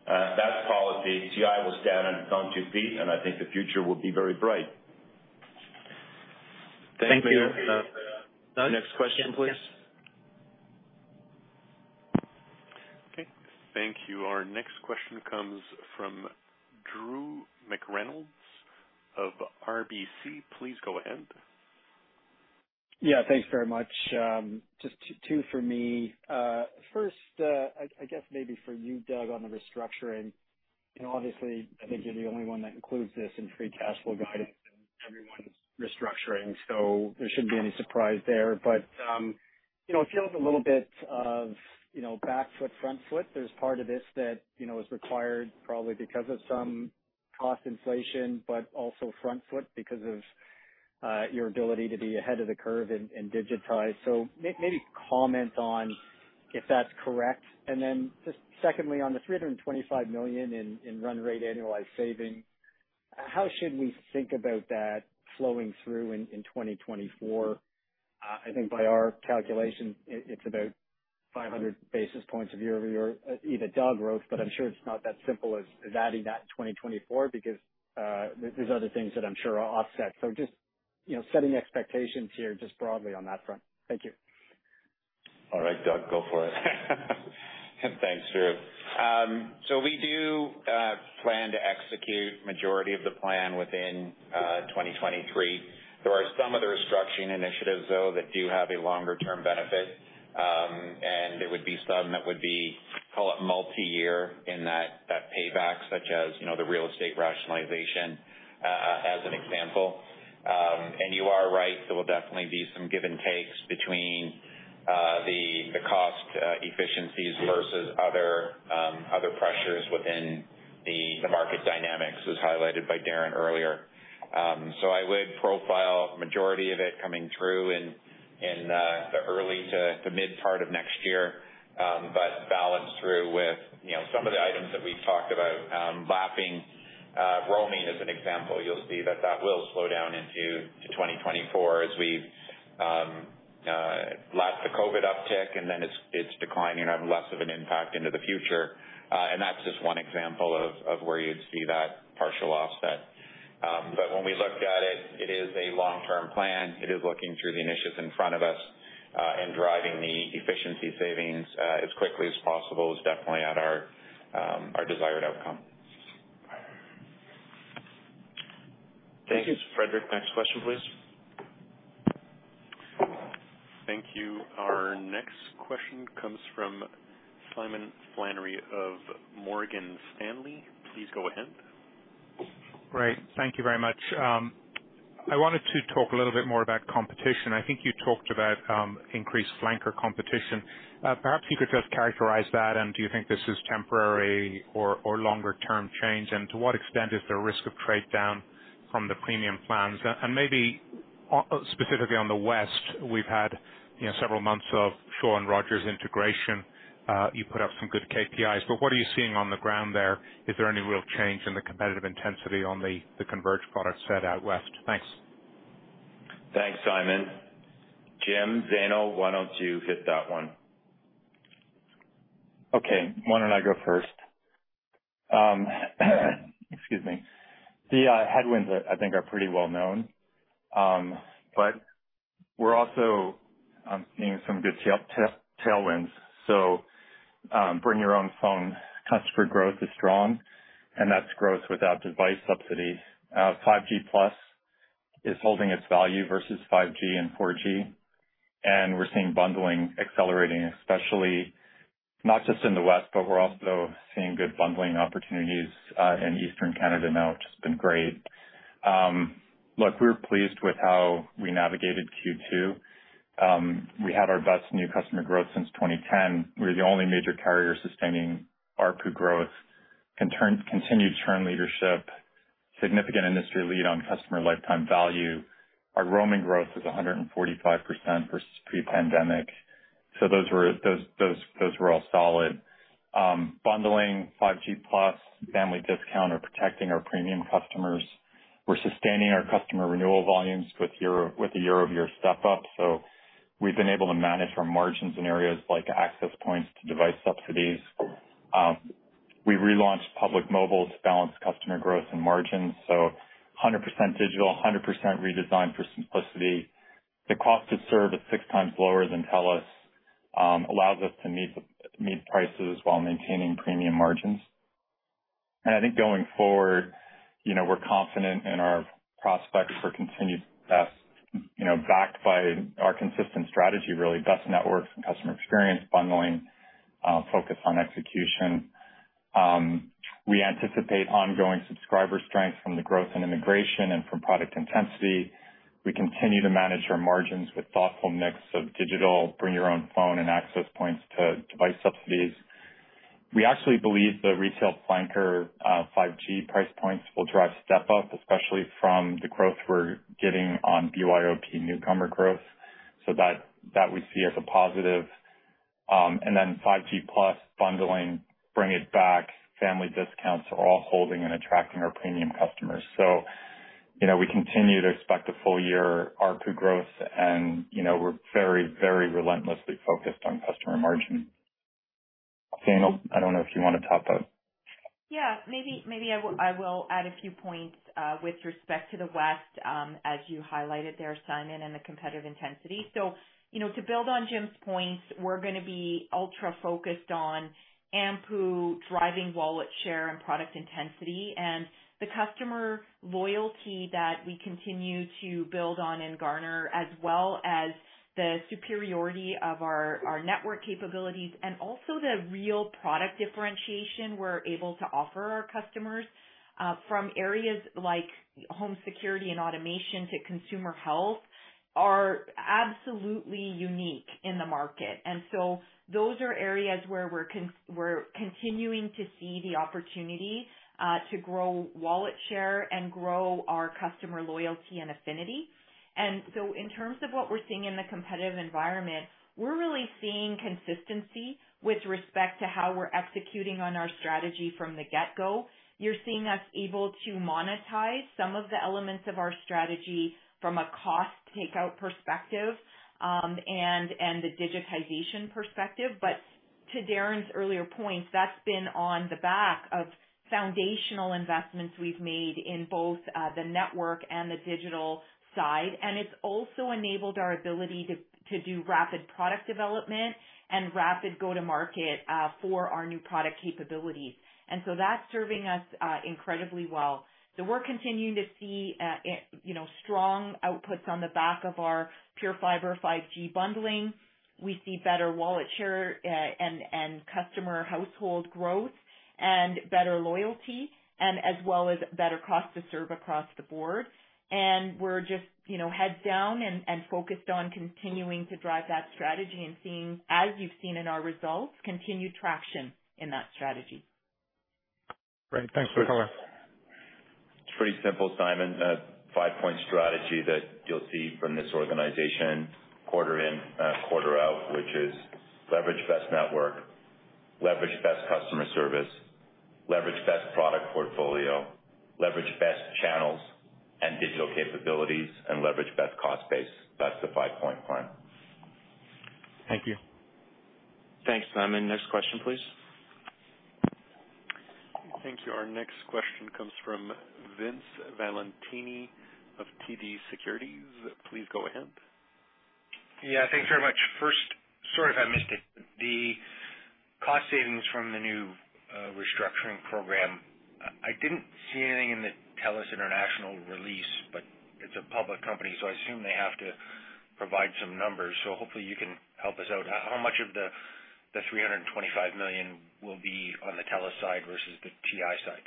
That's policy. TI will stand on its own two feet, and I think the future will be very bright. Thank you. Next question, please. Okay. Thank you. Our next question comes from Drew McReynolds of RBC. Please go ahead. Yeah, thanks very much. Just two for me. First, I guess maybe for you, Doug, on the restructuring, you know, obviously, I think you're the only one that includes this in free cash flow guidance, and everyone's restructuring, so there shouldn't be any surprise there. You know, it feels a little bit of, you know, back foot, front foot. There's part of this that, you know, is required probably because of some cost inflation, but also front foot because of your ability to be ahead of the curve and digitize. Maybe comment on if that's correct. Then just secondly, on the 325 million in run rate annualized savings, how should we think about that flowing through in 2024? I think by our calculation, it, it's about 500 basis points of year-over-year EBITDA growth. I'm sure it's not that simple as, as adding that in 2024, because there, there's other things that I'm sure are offset. Just, you know, setting expectations here, just broadly on that front. Thank you. All right, Doug, go for it. Thanks, Drew. We do plan to execute majority of the plan within 2023. There are some other restructuring initiatives, though, that do have a longer-term benefit. There would be some that would be, call it, multiyear in that, that payback, such as, you know, the real estate rationalization as an example. You are right, there will definitely be some give and takes between the cost efficiencies versus other pressures within the market dynamics, as highlighted by Darren earlier. I would profile majority of it coming through in the early to mid part of next year, but balanced through with, you know, some of the items that we've talked about. Lapping roaming, as an example, you'll see that that will slow down into 2024 as we lap the Covid uptick, and then it's, it's declining and having less of an impact into the future. That's just one example of, of where you'd see that partial offset. When we look at it, it is a long-term plan. It is looking through the initiatives in front of us, and driving the efficiency savings, as quickly as possible is definitely at our desired outcome. Thank you. Frederick, next question, please. Thank you. Our next question comes from Simon Flannery of Morgan Stanley. Please go ahead. Great. Thank you very much. I wanted to talk a little bit more about competition. I think you talked about increased flanker competition. Perhaps you could just characterize that, and do you think this is temporary or longer term change? To what extent is there risk of trade down from the premium plans? Maybe, specifically on the West, we've had, you know, several months of Shaw and Rogers integration. You put up some good KPIs, but what are you seeing on the ground there? Is there any real change in the competitive intensity on the converged product set out West? Thanks. Thanks, Simon. Jim, Zainul, why don't you hit that one? Okay, why don't I go first? Excuse me. The headwinds, I, I think, are pretty well known. We're also seeing some good tailwinds. Bring your own phone. Customer growth is strong. That's growth without device subsidies. 5G+ is holding its value versus 5G and 4G. We're seeing bundling accelerating, especially not just in the West. We're also seeing good bundling opportunities in Eastern Canada now, which has been great. Look, we're pleased with how we navigated Q2. We had our best new customer growth since 2010. We're the only major carrier sustaining ARPU growth, continued churn leadership, significant industry lead on customer lifetime value. Our roaming growth is 145% versus pre-pandemic. Those were all solid. Bundling 5G+ family discount are protecting our premium customers. We're sustaining our customer renewal volumes with the year-over-year step up. We've been able to manage our margins in areas like access points to device subsidies. We relaunched Public Mobile to balance customer growth and margins, 100% digital, 100% redesigned for simplicity. The cost to serve is 6x lower than TELUS, allows us to meet prices while maintaining premium margins. I think going forward, you know, we're confident in our prospects for continued success, you know, backed by our consistent strategy really. Best network, customer experience, bundling, focus on execution. We anticipate ongoing subscriber strength from the growth in immigration and from product intensity. We continue to manage our margins with thoughtful mix of digital, bring your own phone, and access points to device subsidies. We actually believe the retail flanker, 5G price points will drive step up, especially from the growth we're getting on BYOD newcomer growth. That, that we see as a positive. And then 5G+ bundling, bring it back, family discounts are all holding and attracting our premium customers. you know, we continue to expect a full year ARPU growth and, you know, we're very, very relentlessly focused on customer margin. Zainul, I don't know if you want to top up? Yeah, maybe, maybe I will, I will add a few points with respect to the West, as you highlighted there, Simon, and the competitive intensity. You know, to build on Jim's points, we're going to be ultra-focused on AMPU, driving wallet share and product intensity, and the customer loyalty that we continue to build on and garner, as well as the superiority of our, our network capabilities, and also the real product differentiation we're able to offer our customers from areas like home security and automation to consumer health, are absolutely unique in the market. Those are areas where we're continuing to see the opportunity to grow wallet share and grow our customer loyalty and affinity. In terms of what we're seeing in the competitive environment, we're really seeing consistency with respect to how we're executing on our strategy from the get-go. You're seeing us able to monetize some of the elements of our strategy from a cost takeout perspective, and, and the digitization perspective. To Darren's earlier point, that's been on the back of foundational investments we've made in both the network and the digital side. It's also enabled our ability to, to do rapid product development and rapid go-to-market for our new product capabilities. That's serving us incredibly well. We're continuing to see, it, you know, strong outputs on the back of our PureFibre 5G bundling. We see better wallet share, and, and customer household growth and better loyalty and as well as better cost to serve across the board. We're just, you know, heads down and, and focused on continuing to drive that strategy and seeing, as you've seen in our results, continued traction in that strategy. Great. Thanks for the color. It's pretty simple, Simon. A five-point strategy that you'll see from this organization quarter in, quarter out, which is leverage best network, leverage best customer service, leverage best product portfolio, leverage best channels and digital capabilities, and leverage best cost base. That's the five-point plan. Thank you. Thanks, Simon. Next question, please. Thank you. Our next question comes from Vince Valentini of TD Securities. Please go ahead. Yeah, thanks very much. First, sorry if I missed it, the cost savings from the new restructuring program, I didn't see anything in the TELUS International release, but it's a public company, so I assume they have to provide some numbers, so hopefully you can help us out. How much of the, the 325 million will be on the TELUS side versus the TI side?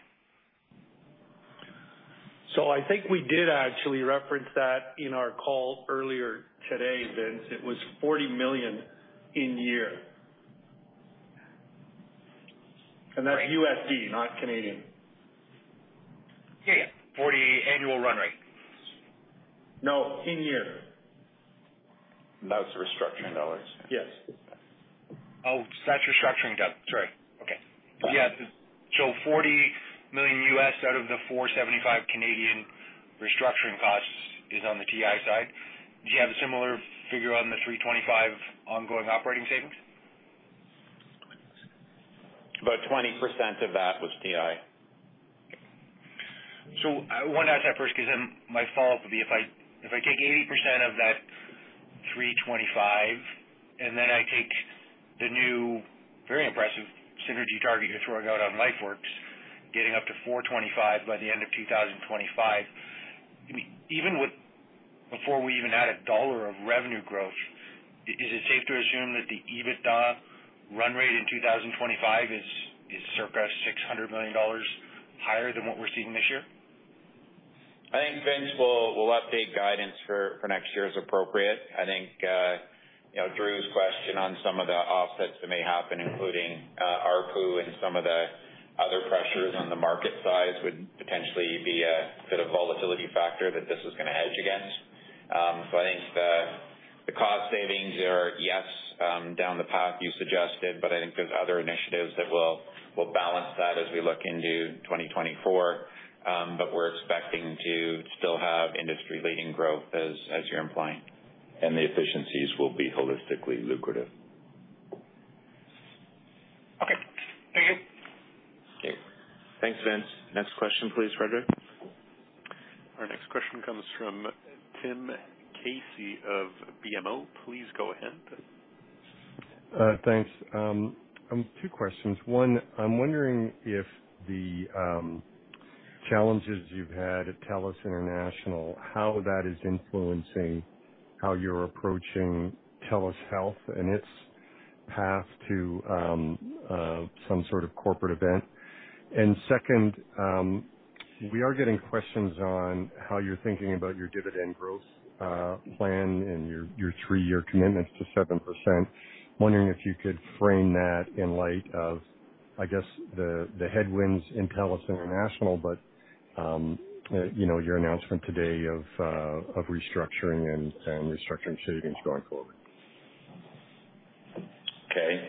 I think we did actually reference that in our call earlier today, Vince. It was $40 million in year. That's USD, not Canadian. Okay. Yeah. 40 annual run rate. No, in year. That's the restructuring dollars. Yes. Oh, that's restructuring. Got it. Sorry. Okay. Yeah. $40 million out of the 475 restructuring costs is on the TI side. Do you have a similar figure on the 325 ongoing operating savings? About 20% of that was TI. I want to ask that first, because then my follow-up would be, if I, if I take 80% of that $325, and then I take the new, very impressive synergy target you're throwing out on LifeWorks, getting up to 425 by the end of 2025. Even with- before we even add $1 of revenue growth, is it safe to assume that the EBITDA run rate in 2025 is, is circa 600 million dollars higher than what we're seeing this year? I think Vince will, will update guidance for, for next year as appropriate. I think, you know Drew's question on some of the offsets that may happen, including ARPU and some of the other pressures on the market side, would potentially be a bit of volatility factor that this is going to hedge against. So I think the, the cost savings are, yes, down the path you suggested, but I think there's other initiatives that will, will balance that as we look into 2024. We're expecting to still have industry-leading growth, as, as you're implying. The efficiencies will be holistically lucrative. Okay. Thank you. Okay. Thanks, Vince. Next question, please, Frederick. Our next question comes from Tim Casey of BMO. Please go ahead. Thanks. two questions. One, I'm wondering if the challenges you've had at TELUS International, how that is influencing how you're approaching TELUS Health and its path to some sort of corporate event. Second, we are getting questions on how you're thinking about your dividend growth plan and your, your three-year commitments to 7%. Wondering if you could frame that in light of, I guess, the, the headwinds in TELUS International, but, you know, your announcement today of restructuring and, and restructuring savings going forward. Okay.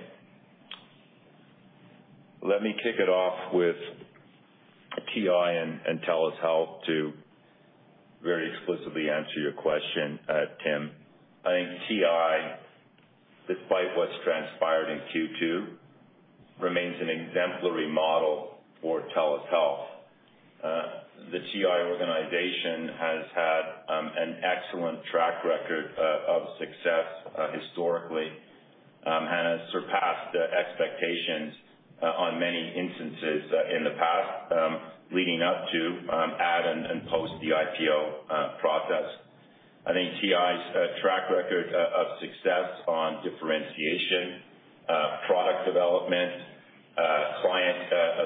Let me kick it off with TI and, and TELUS Health to very explicitly answer your question, Tim. I think TI, despite what's transpired in Q2, remains an exemplary model for TELUS Health. The TI organization has had an excellent track record of success historically and has surpassed expectations on many instances in the past leading up to, at, and, and post the IPO process. I think TI's track record of success on differentiation, product development, client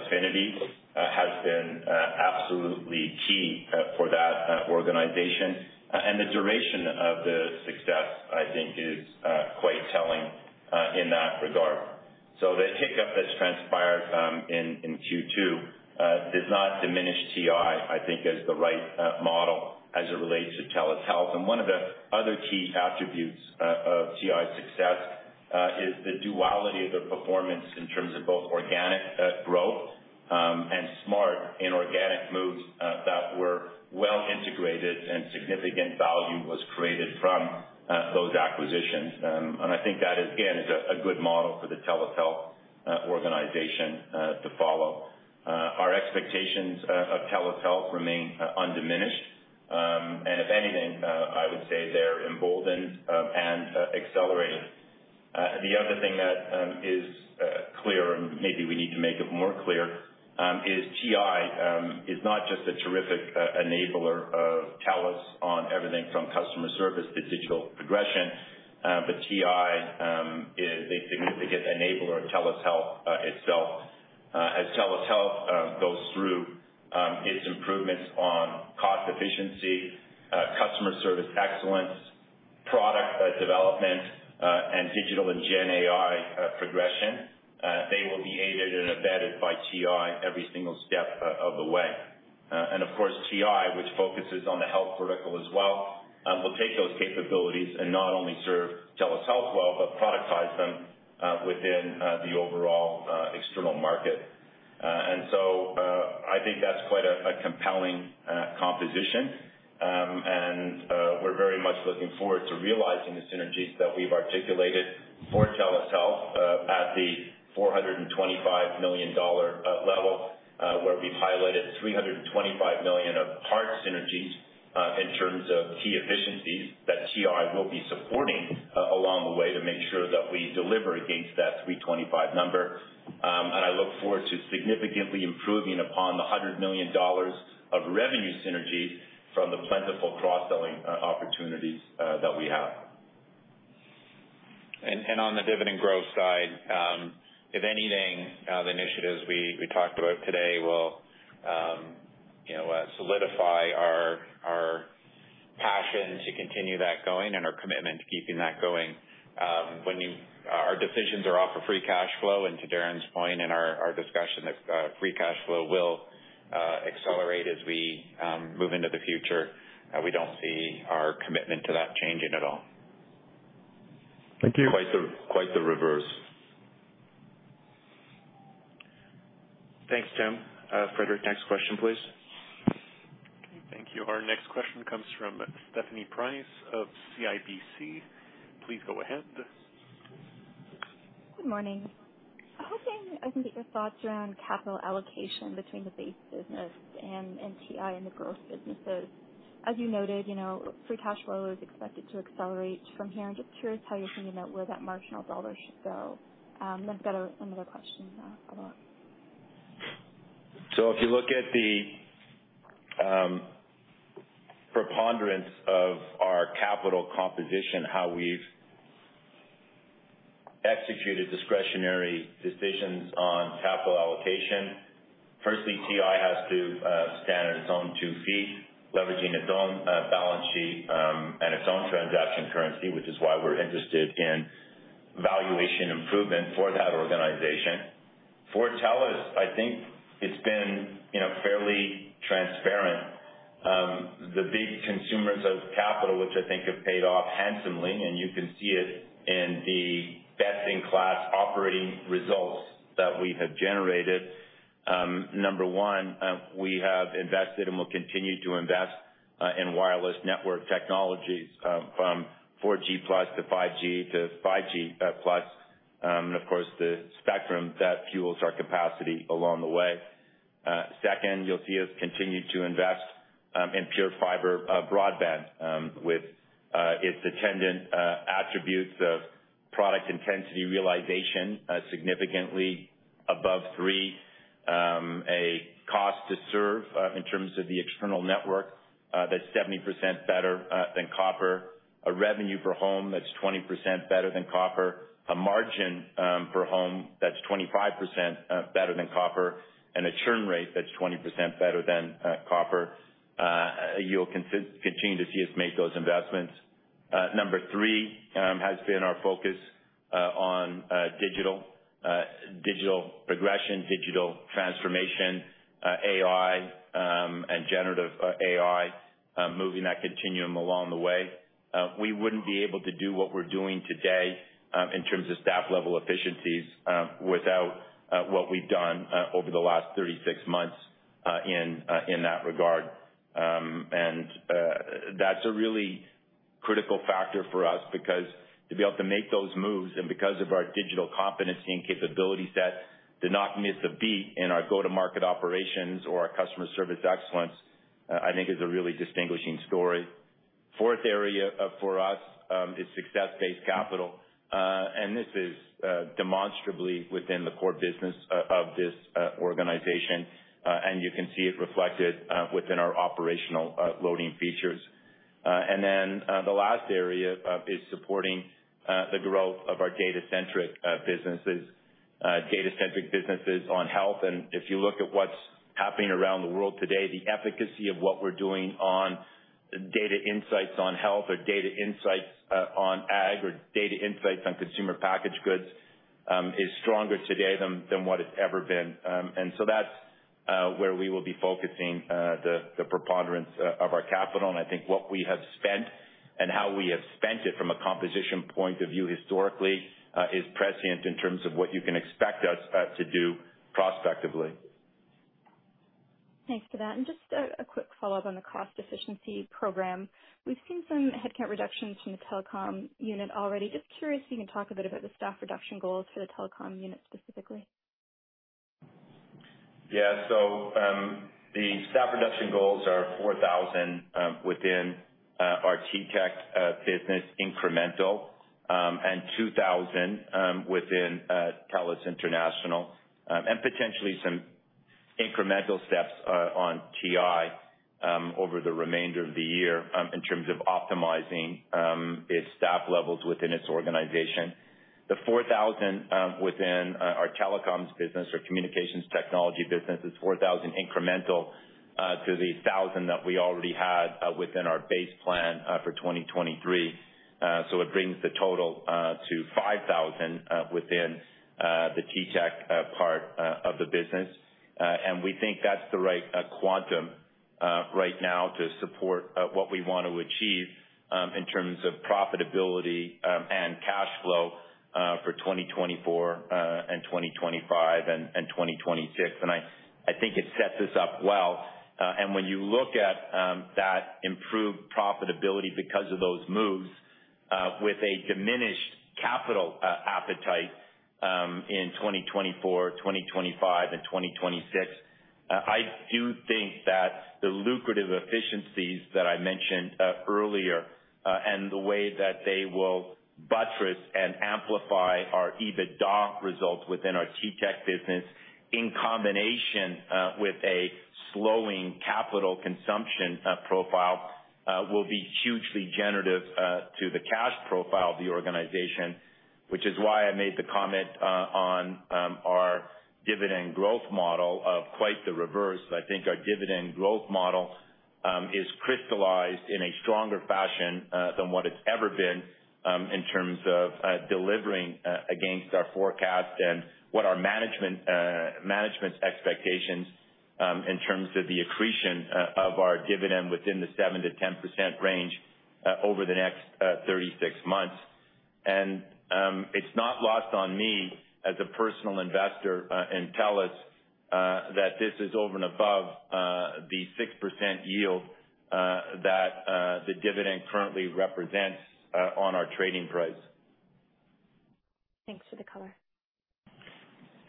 affinities has been absolutely key for that organization. The duration of the success, I think, is quite telling in that regard. The hiccup that's transpired in Q2 does not diminish TI, I think, as the right model as it relates to TELUS Health. One of the other key attributes of TI's success is the duality of the performance in terms of both organic growth and smart inorganic moves that were well integrated and significant value was created from those acquisitions. I think that, again, is a good model for the TELUS Health organization to follow. Our expectations of TELUS Health remain undiminished. If anything, I would say they're emboldened and accelerated. The other thing that is clear, and maybe we need to make it more clear, is TI is not just a terrific enabler of TELUS on everything from customer service to digital progression, but TI is a significant enabler of TELUS Health itself. As TELUS Health goes through its improvements on cost efficiency, customer service excellence, product development, and digital and GenAI progression, they will be aided and abetted by TI every single step of the way. Of course, TI, which focuses on the health vertical as well, will take those capabilities and not only serve TELUS Health well, but productize them within the overall external market. I think that's quite a compelling composition. We're very much looking forward to realizing the synergies that we've articulated for TELUS Health at the 425 million dollar level, where we've highlighted 325 million of hard synergies in terms of key efficiencies that TI will be supporting along the way to make sure that we deliver against that 325 number. I look forward to significantly improving upon the 100 million dollars of revenue synergies from the plentiful cross-selling opportunities that we have. On the dividend growth side, if anything, the initiatives we talked about today will, you know, solidify our passion to continue that going and our commitment to keeping that going. When you-- our decisions are off of free cash flow, and to Darren's point in our discussion, that free cash flow will accelerate as we move into the future, we don't see our commitment to that changing at all. Thank you. Quite the, quite the reverse. Thanks, Tim. Frederick, next question, please. Thank you. Our next question comes from Stephanie Price of CIBC. Please go ahead. Good morning. I was wondering if I can get your thoughts around capital allocation between the base business and TI and the growth businesses. As you noted, you know, free cash flow is expected to accelerate from here. I'm just curious how you're thinking about where that marginal dollar should go. Then I've got some other questions, follow-up. If you look at the preponderance of our capital composition, how we've executed discretionary decisions on capital allocation. Firstly, TI has to stand on its own two feet, leveraging its own balance sheet, and its own transaction currency, which is why we're interested in valuation improvement for that organization. For TELUS, I think it's been, you know, fairly transparent. The big consumers of capital, which I think have paid off handsomely, and you can see it in the best-in-class operating results that we have generated. Number one, we have invested and will continue to invest in wireless network technologies, from 4G+ to 5G to 5G+, and of course, the spectrum that fuels our capacity along the way. Second, you'll see us continue to invest in PureFibre broadband with its attendant attributes of product intensity realization significantly above three. A cost to serve in terms of the external network that's 70% better than copper. A revenue per home that's 20% better than copper. A margin per home that's 25% better than copper, and a churn rate that's 20% better than copper. You'll continue to see us make those investments. Number three has been our focus on digital, digital progression, digital transformation, AI, and generative AI moving that continuum along the way. We wouldn't be able to do what we're doing today, in terms of staff-level efficiencies, without what we've done over the last 36 months in that regard. That's a really critical factor for us because to be able to make those moves and because of our digital competency and capability set, to not miss a beat in our go-to-market operations or our customer service excellence, I think is a really distinguishing story. Fourth area for us is success-based capital, this is demonstrably within the core business of this organization. You can see it reflected within our operational loading features. The last area is supporting the growth of our data-centric businesses. Data-centric businesses on health, and if you look at what's happening around the world today, the efficacy of what we're doing on data insights on health or data insights, on ag, or data insights on consumer packaged goods, is stronger today than, than what it's ever been. That's where we will be focusing, the, the preponderance of our capital. I think what we have spent and how we have spent it from a composition point of view historically, is prescient in terms of what you can expect us, to do prospectively. Thanks for that. Just a, a quick follow-up on the cost efficiency program. We've seen some headcount reductions from the telecom unit already. Just curious if you can talk a bit about the staff reduction goals for the telecom unit specifically. Yeah. The staff reduction goals are 4,000 within our TTech business, incremental, and 2,000 within TELUS International, and potentially some incremental steps on TI over the remainder of the year in terms of optimizing its staff levels within its organization. The 4,000 within our telecoms business or communications technology business, is 4,000 incremental to the 1,000 that we already had within our base plan for 2023. It brings the total to 5,000 within the TTech part of the business. We think that's the right quantum right now to support what we want to achieve in terms of profitability and cash flow for 2024, and 2025 and 2026. I think it sets us up well, and when you look at that improved profitability because of those moves with a diminished capital appetite in 2024, 2025 and 2026, I do think that the lucrative efficiencies that I mentioned earlier, and the way that they will buttress and amplify our EBITDA results within our TTech business, in combination with a slowing capital consumption profile, will be hugely generative to the cash profile of the organization. Which is why I made the comment on our dividend growth model of quite the reverse. I think our dividend growth model is crystallized in a stronger fashion than what it's ever been in terms of delivering against our forecast and what our management management's expectations in terms of the accretion of our dividend within the 7%-10% range over the next 36 months. It's not lost on me as a personal investor in TELUS that this is over and above the 6% yield that the dividend currently represents on our trading price. Thanks for the color.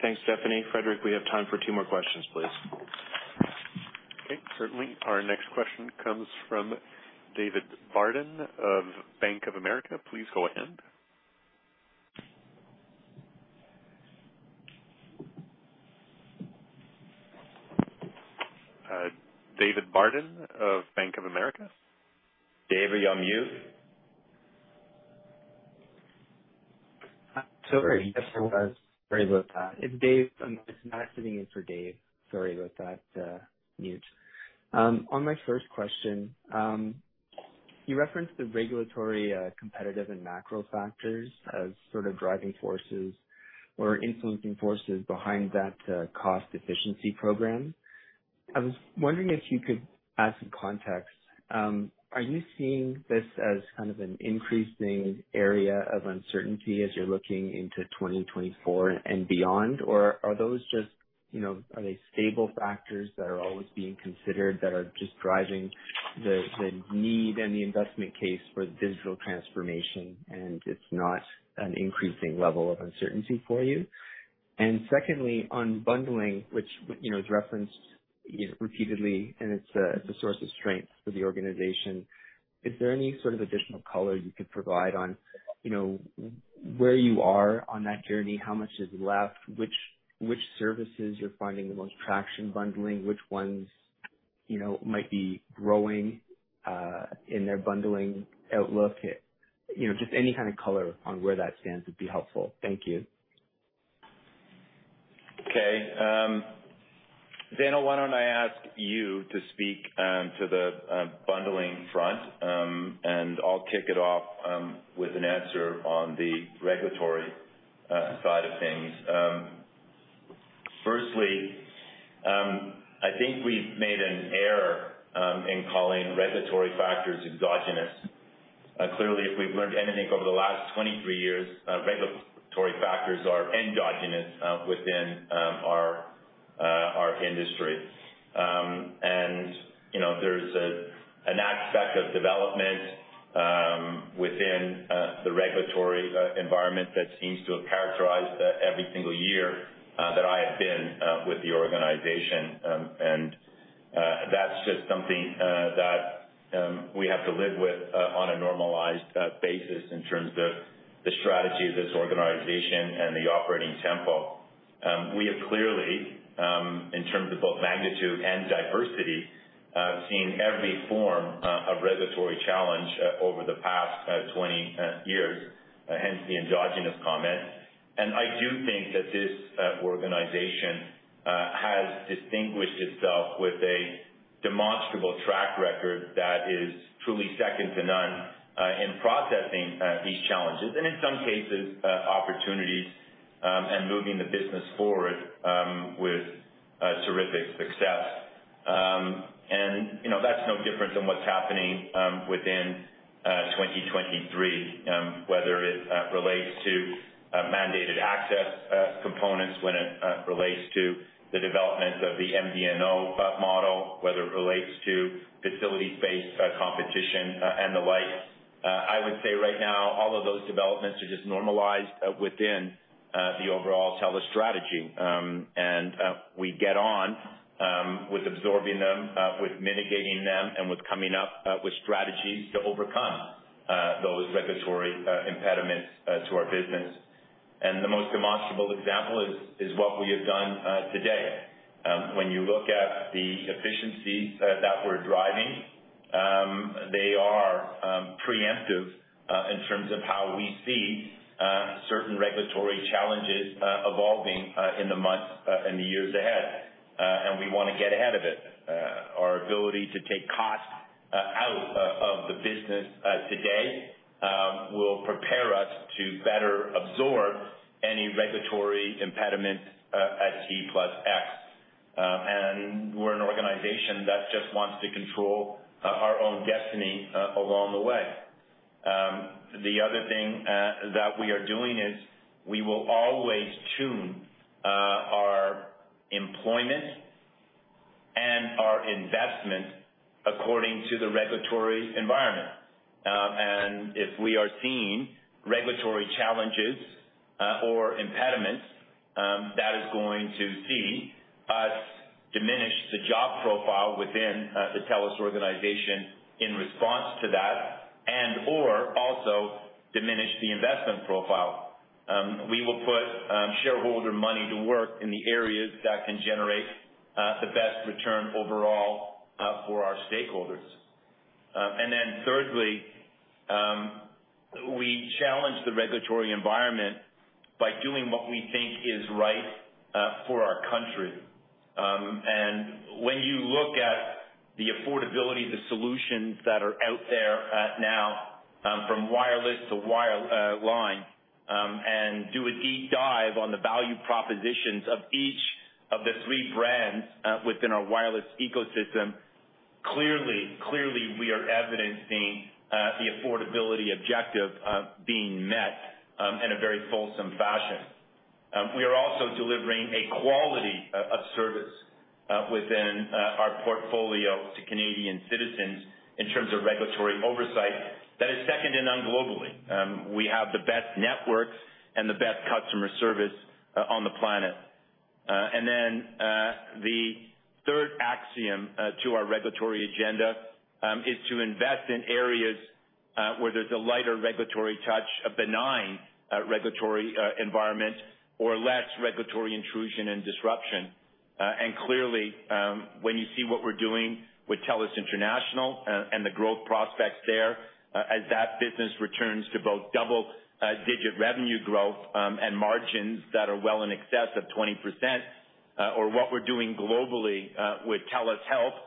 Thanks, Stephanie. Frederick, we have time for two more questions, please. Okay, certainly. Our next question comes from David Barden of Bank of America. Please go ahead. David Barden of Bank of America? Dave, are you on mute? Hi, sorry about that. It's Dave. I'm just not sitting in for Dave. Sorry about that, mute. On my first question, you referenced the regulatory, competitive and macro factors as sort of driving forces or influencing forces behind that cost efficiency program. I was wondering if you could add some context. Are you seeing this as kind of an increasing area of uncertainty as you're looking into 2024 and beyond? Or are those just, you know, are they stable factors that are always being considered, that are just driving the need and the investment case for the digital transformation, and it's not an increasing level of uncertainty for you? Secondly, on bundling, which, you know, is referenced, you know, repeatedly, and it's a, it's a source of strength for the organization, is there any sort of additional color you could provide on, you know, where you are on that journey? How much is left? Which, which services you're finding the most traction bundling, which ones, you know, might be growing in their bundling outlook? You know, just any kind of color on where that stands would be helpful. Thank you. Okay, Zainul, why don't I ask you to speak to the bundling front? I'll kick it off with an answer on the regulatory side of things. Firstly, I think we've made an error in calling regulatory factors exogenous. Clearly, if we've learned anything over the last 23 years, regulatory factors are endogenous within our industry. You know, there's an aspect of development within the regulatory environment that seems to have characterized every single year that I have been with the organization. That's just something that we have to live with on a normalized basis in terms of the strategy of this organization and the operating tempo. We have clearly, in terms of both magnitude and diversity, seen every form of regulatory challenge over the past 20 years, hence the endogenous comment. I do think that this organization has distinguished itself with a demonstrable track record that is truly second to none in processing these challenges, and in some cases, opportunities, and moving the business forward with terrific success. You know, that's no different than what's happening within 2023, whether it relates to mandated access components, when it relates to the development of the MVNO model, whether it relates to facilities-based competition, and the like. I would say right now, all of those developments are just normalized within the overall TELUS strategy. We get on, with absorbing them, with mitigating them, and with coming up, with strategies to overcome, those regulatory, impediments, to our business. The most demonstrable example is, is what we have done, today. When you look at the efficiencies, that we're driving, they are, preemptive, in terms of how we see, certain regulatory challenges, evolving, in the months, and the years ahead. We want to get ahead of it. Our ability to take cost, out, of, of the business, today, will prepare us to better absorb any regulatory impediments, at T+X. We're an organization just wants to control our own destiny, along the way. The other thing that we are doing is we will always tune our employment and our investments according to the regulatory environment. If we are seeing regulatory challenges or impediments, that is going to see us diminish the job profile within the TELUS organization in response to that and/or also diminish the investment profile. We will put shareholder money to work in the areas that can generate the best return overall for our stakeholders. Then thirdly, we challenge the regulatory environment by doing what we think is right for our country. And when you look at the affordability of the solutions that are out there, now, from wireless to wire line, and do a deep dive on the value propositions of each of the three brands, within our wireless ecosystem. Clearly, clearly, we are evidencing the affordability objective being met in a very fulsome fashion. We are also delivering a quality of service within our portfolio to Canadian citizens in terms of regulatory oversight that is second to none globally. We have the best networks and the best customer service on the planet. And then, the third axiom to our regulatory agenda is to invest in areas where there's a lighter regulatory touch, a benign regulatory environment or less regulatory intrusion and disruption. Clearly, when you see what we're doing with TELUS International and the growth prospects there, as that business returns to both double-digit revenue growth and margins that are well in excess of 20%, or what we're doing globally with TELUS Health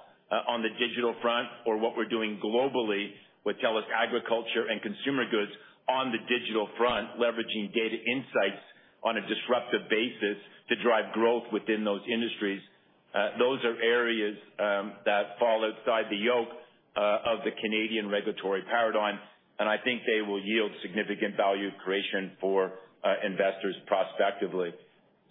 on the digital front, or what we're doing globally with TELUS Agriculture & Consumer Goods on the digital front, leveraging data insights on a disruptive basis to drive growth within those industries. Those are areas that fall outside the yoke of the Canadian regulatory paradigm, and I think they will yield significant value creation for investors prospectively.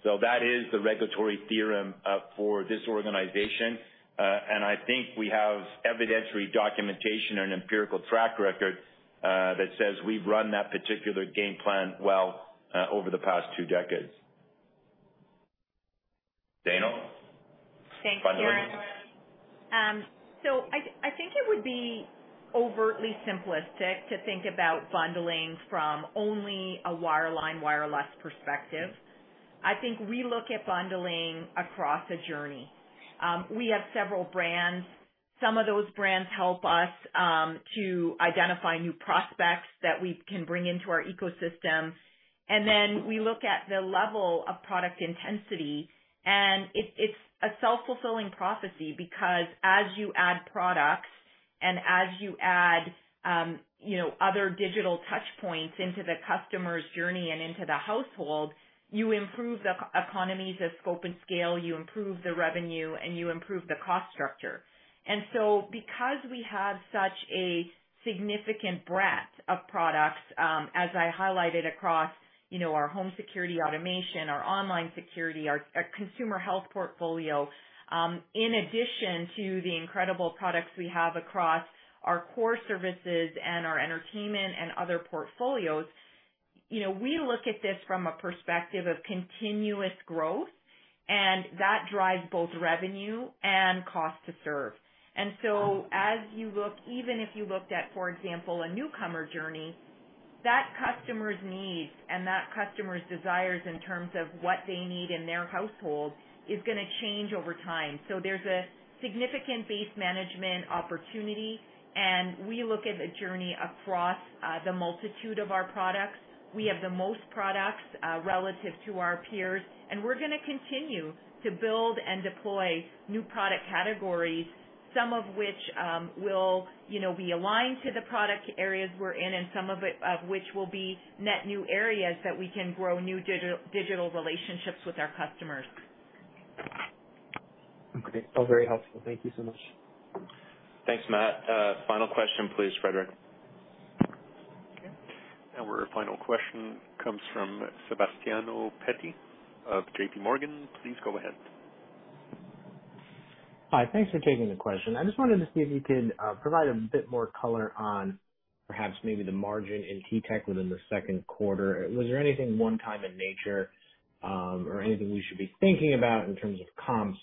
So that is the regulatory theorem for this organization. I think we have evidentiary documentation and empirical track record, that says we've run that particular game plan well, over the past two decades. Zainul, bundling? Thank you. I, I think it would be overtly simplistic to think about bundling from only a wireline, wireless perspective. I think we look at bundling across a journey. We have several brands. Some of those brands help us to identify new prospects that we can bring into our ecosystem. Then we look at the level of product intensity, and it's, it's a self-fulfilling prophecy because as you add products and as you add, you know, other digital touch points into the customer's journey and into the household, you improve the economies of scope and scale, you improve the revenue, and you improve the cost structure. Because we have such a significant breadth of products, as I highlighted across, you know, our home security automation, our online security, our, our consumer health portfolio, in addition to the incredible products we have across our core services and our entertainment and other portfolios, you know, we look at this from a perspective of continuous growth, and that drives both revenue and cost to serve. As you look, even if you looked at, for example, a newcomer journey, that customer's needs and that customer's desires in terms of what they need in their household, is gonna change over time. There's a significant base management opportunity, and we look at the journey across the multitude of our products. We have the most products relative to our peers, and we're gonna continue to build and deploy new product categories, some of which, you know, will be aligned to the product areas we're in, and some of it, which will be net new areas that we can grow new digital relationships with our customers. Okay. All very helpful. Thank you so much. Thanks, Mawji. Final question, please, Frederick. Okay, our final question comes from Sebastiano Petti of J.P. Morgan. Please go ahead. Hi, thanks for taking the question. I just wanted to see if you could provide a bit more color on perhaps maybe the margin in TTech within the second quarter. Was there anything one-time in nature, or anything we should be thinking about in terms of comps?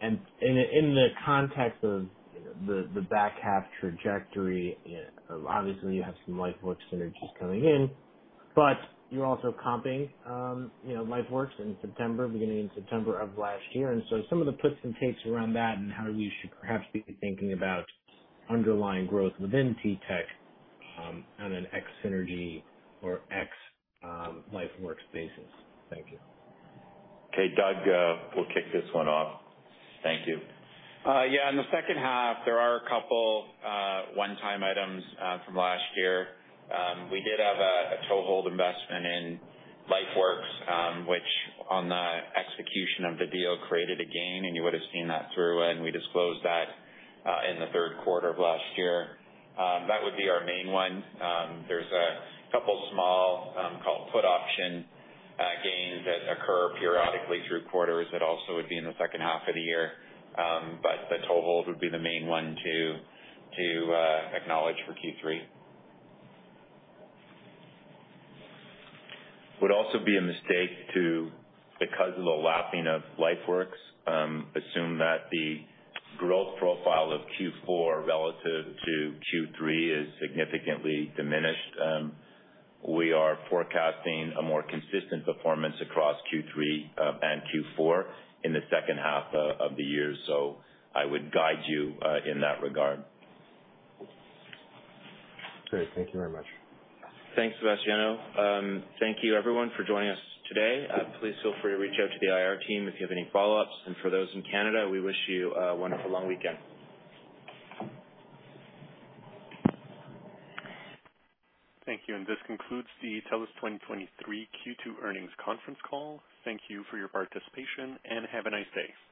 In the context of the back half trajectory, obviously, you have some LifeWorks synergies coming in, but you're also comping, you know, LifeWorks in September, beginning in September of last year. Some of the puts and takes around that and how we should perhaps be thinking about underlying growth within TTech, on an ex-synergy or ex, LifeWorks basis. Thank you. Okay, Doug, will kick this one off. Thank you. Yeah, in the second half, there are a couple one-time items from last year. We did have a toehold investment in LifeWorks, which on the execution of the deal, created a gain, and you would've seen that through, and we disclosed that in the third quarter of last year. That would be our main one. There's a couple small called put option gains that occur periodically through quarters that also would be in the second half of the year. The toehold would be the main one to, to acknowledge for Q3. Would also be a mistake to, because of the lapping of LifeWorks, assume that the growth profile of Q4 relative to Q3 is significantly diminished. We are forecasting a more consistent performance across Q3 and Q4 in the second half of, of the year. I would guide you in that regard. Great. Thank you very much. Thanks, Sebastiano. Thank you everyone for joining us today. Please feel free to reach out to the IR team if you have any follow-ups. For those in Canada, we wish you a wonderful long weekend. Thank you, and this concludes the TELUS 2023 Q2 earnings conference call. Thank you for your participation, and have a nice day.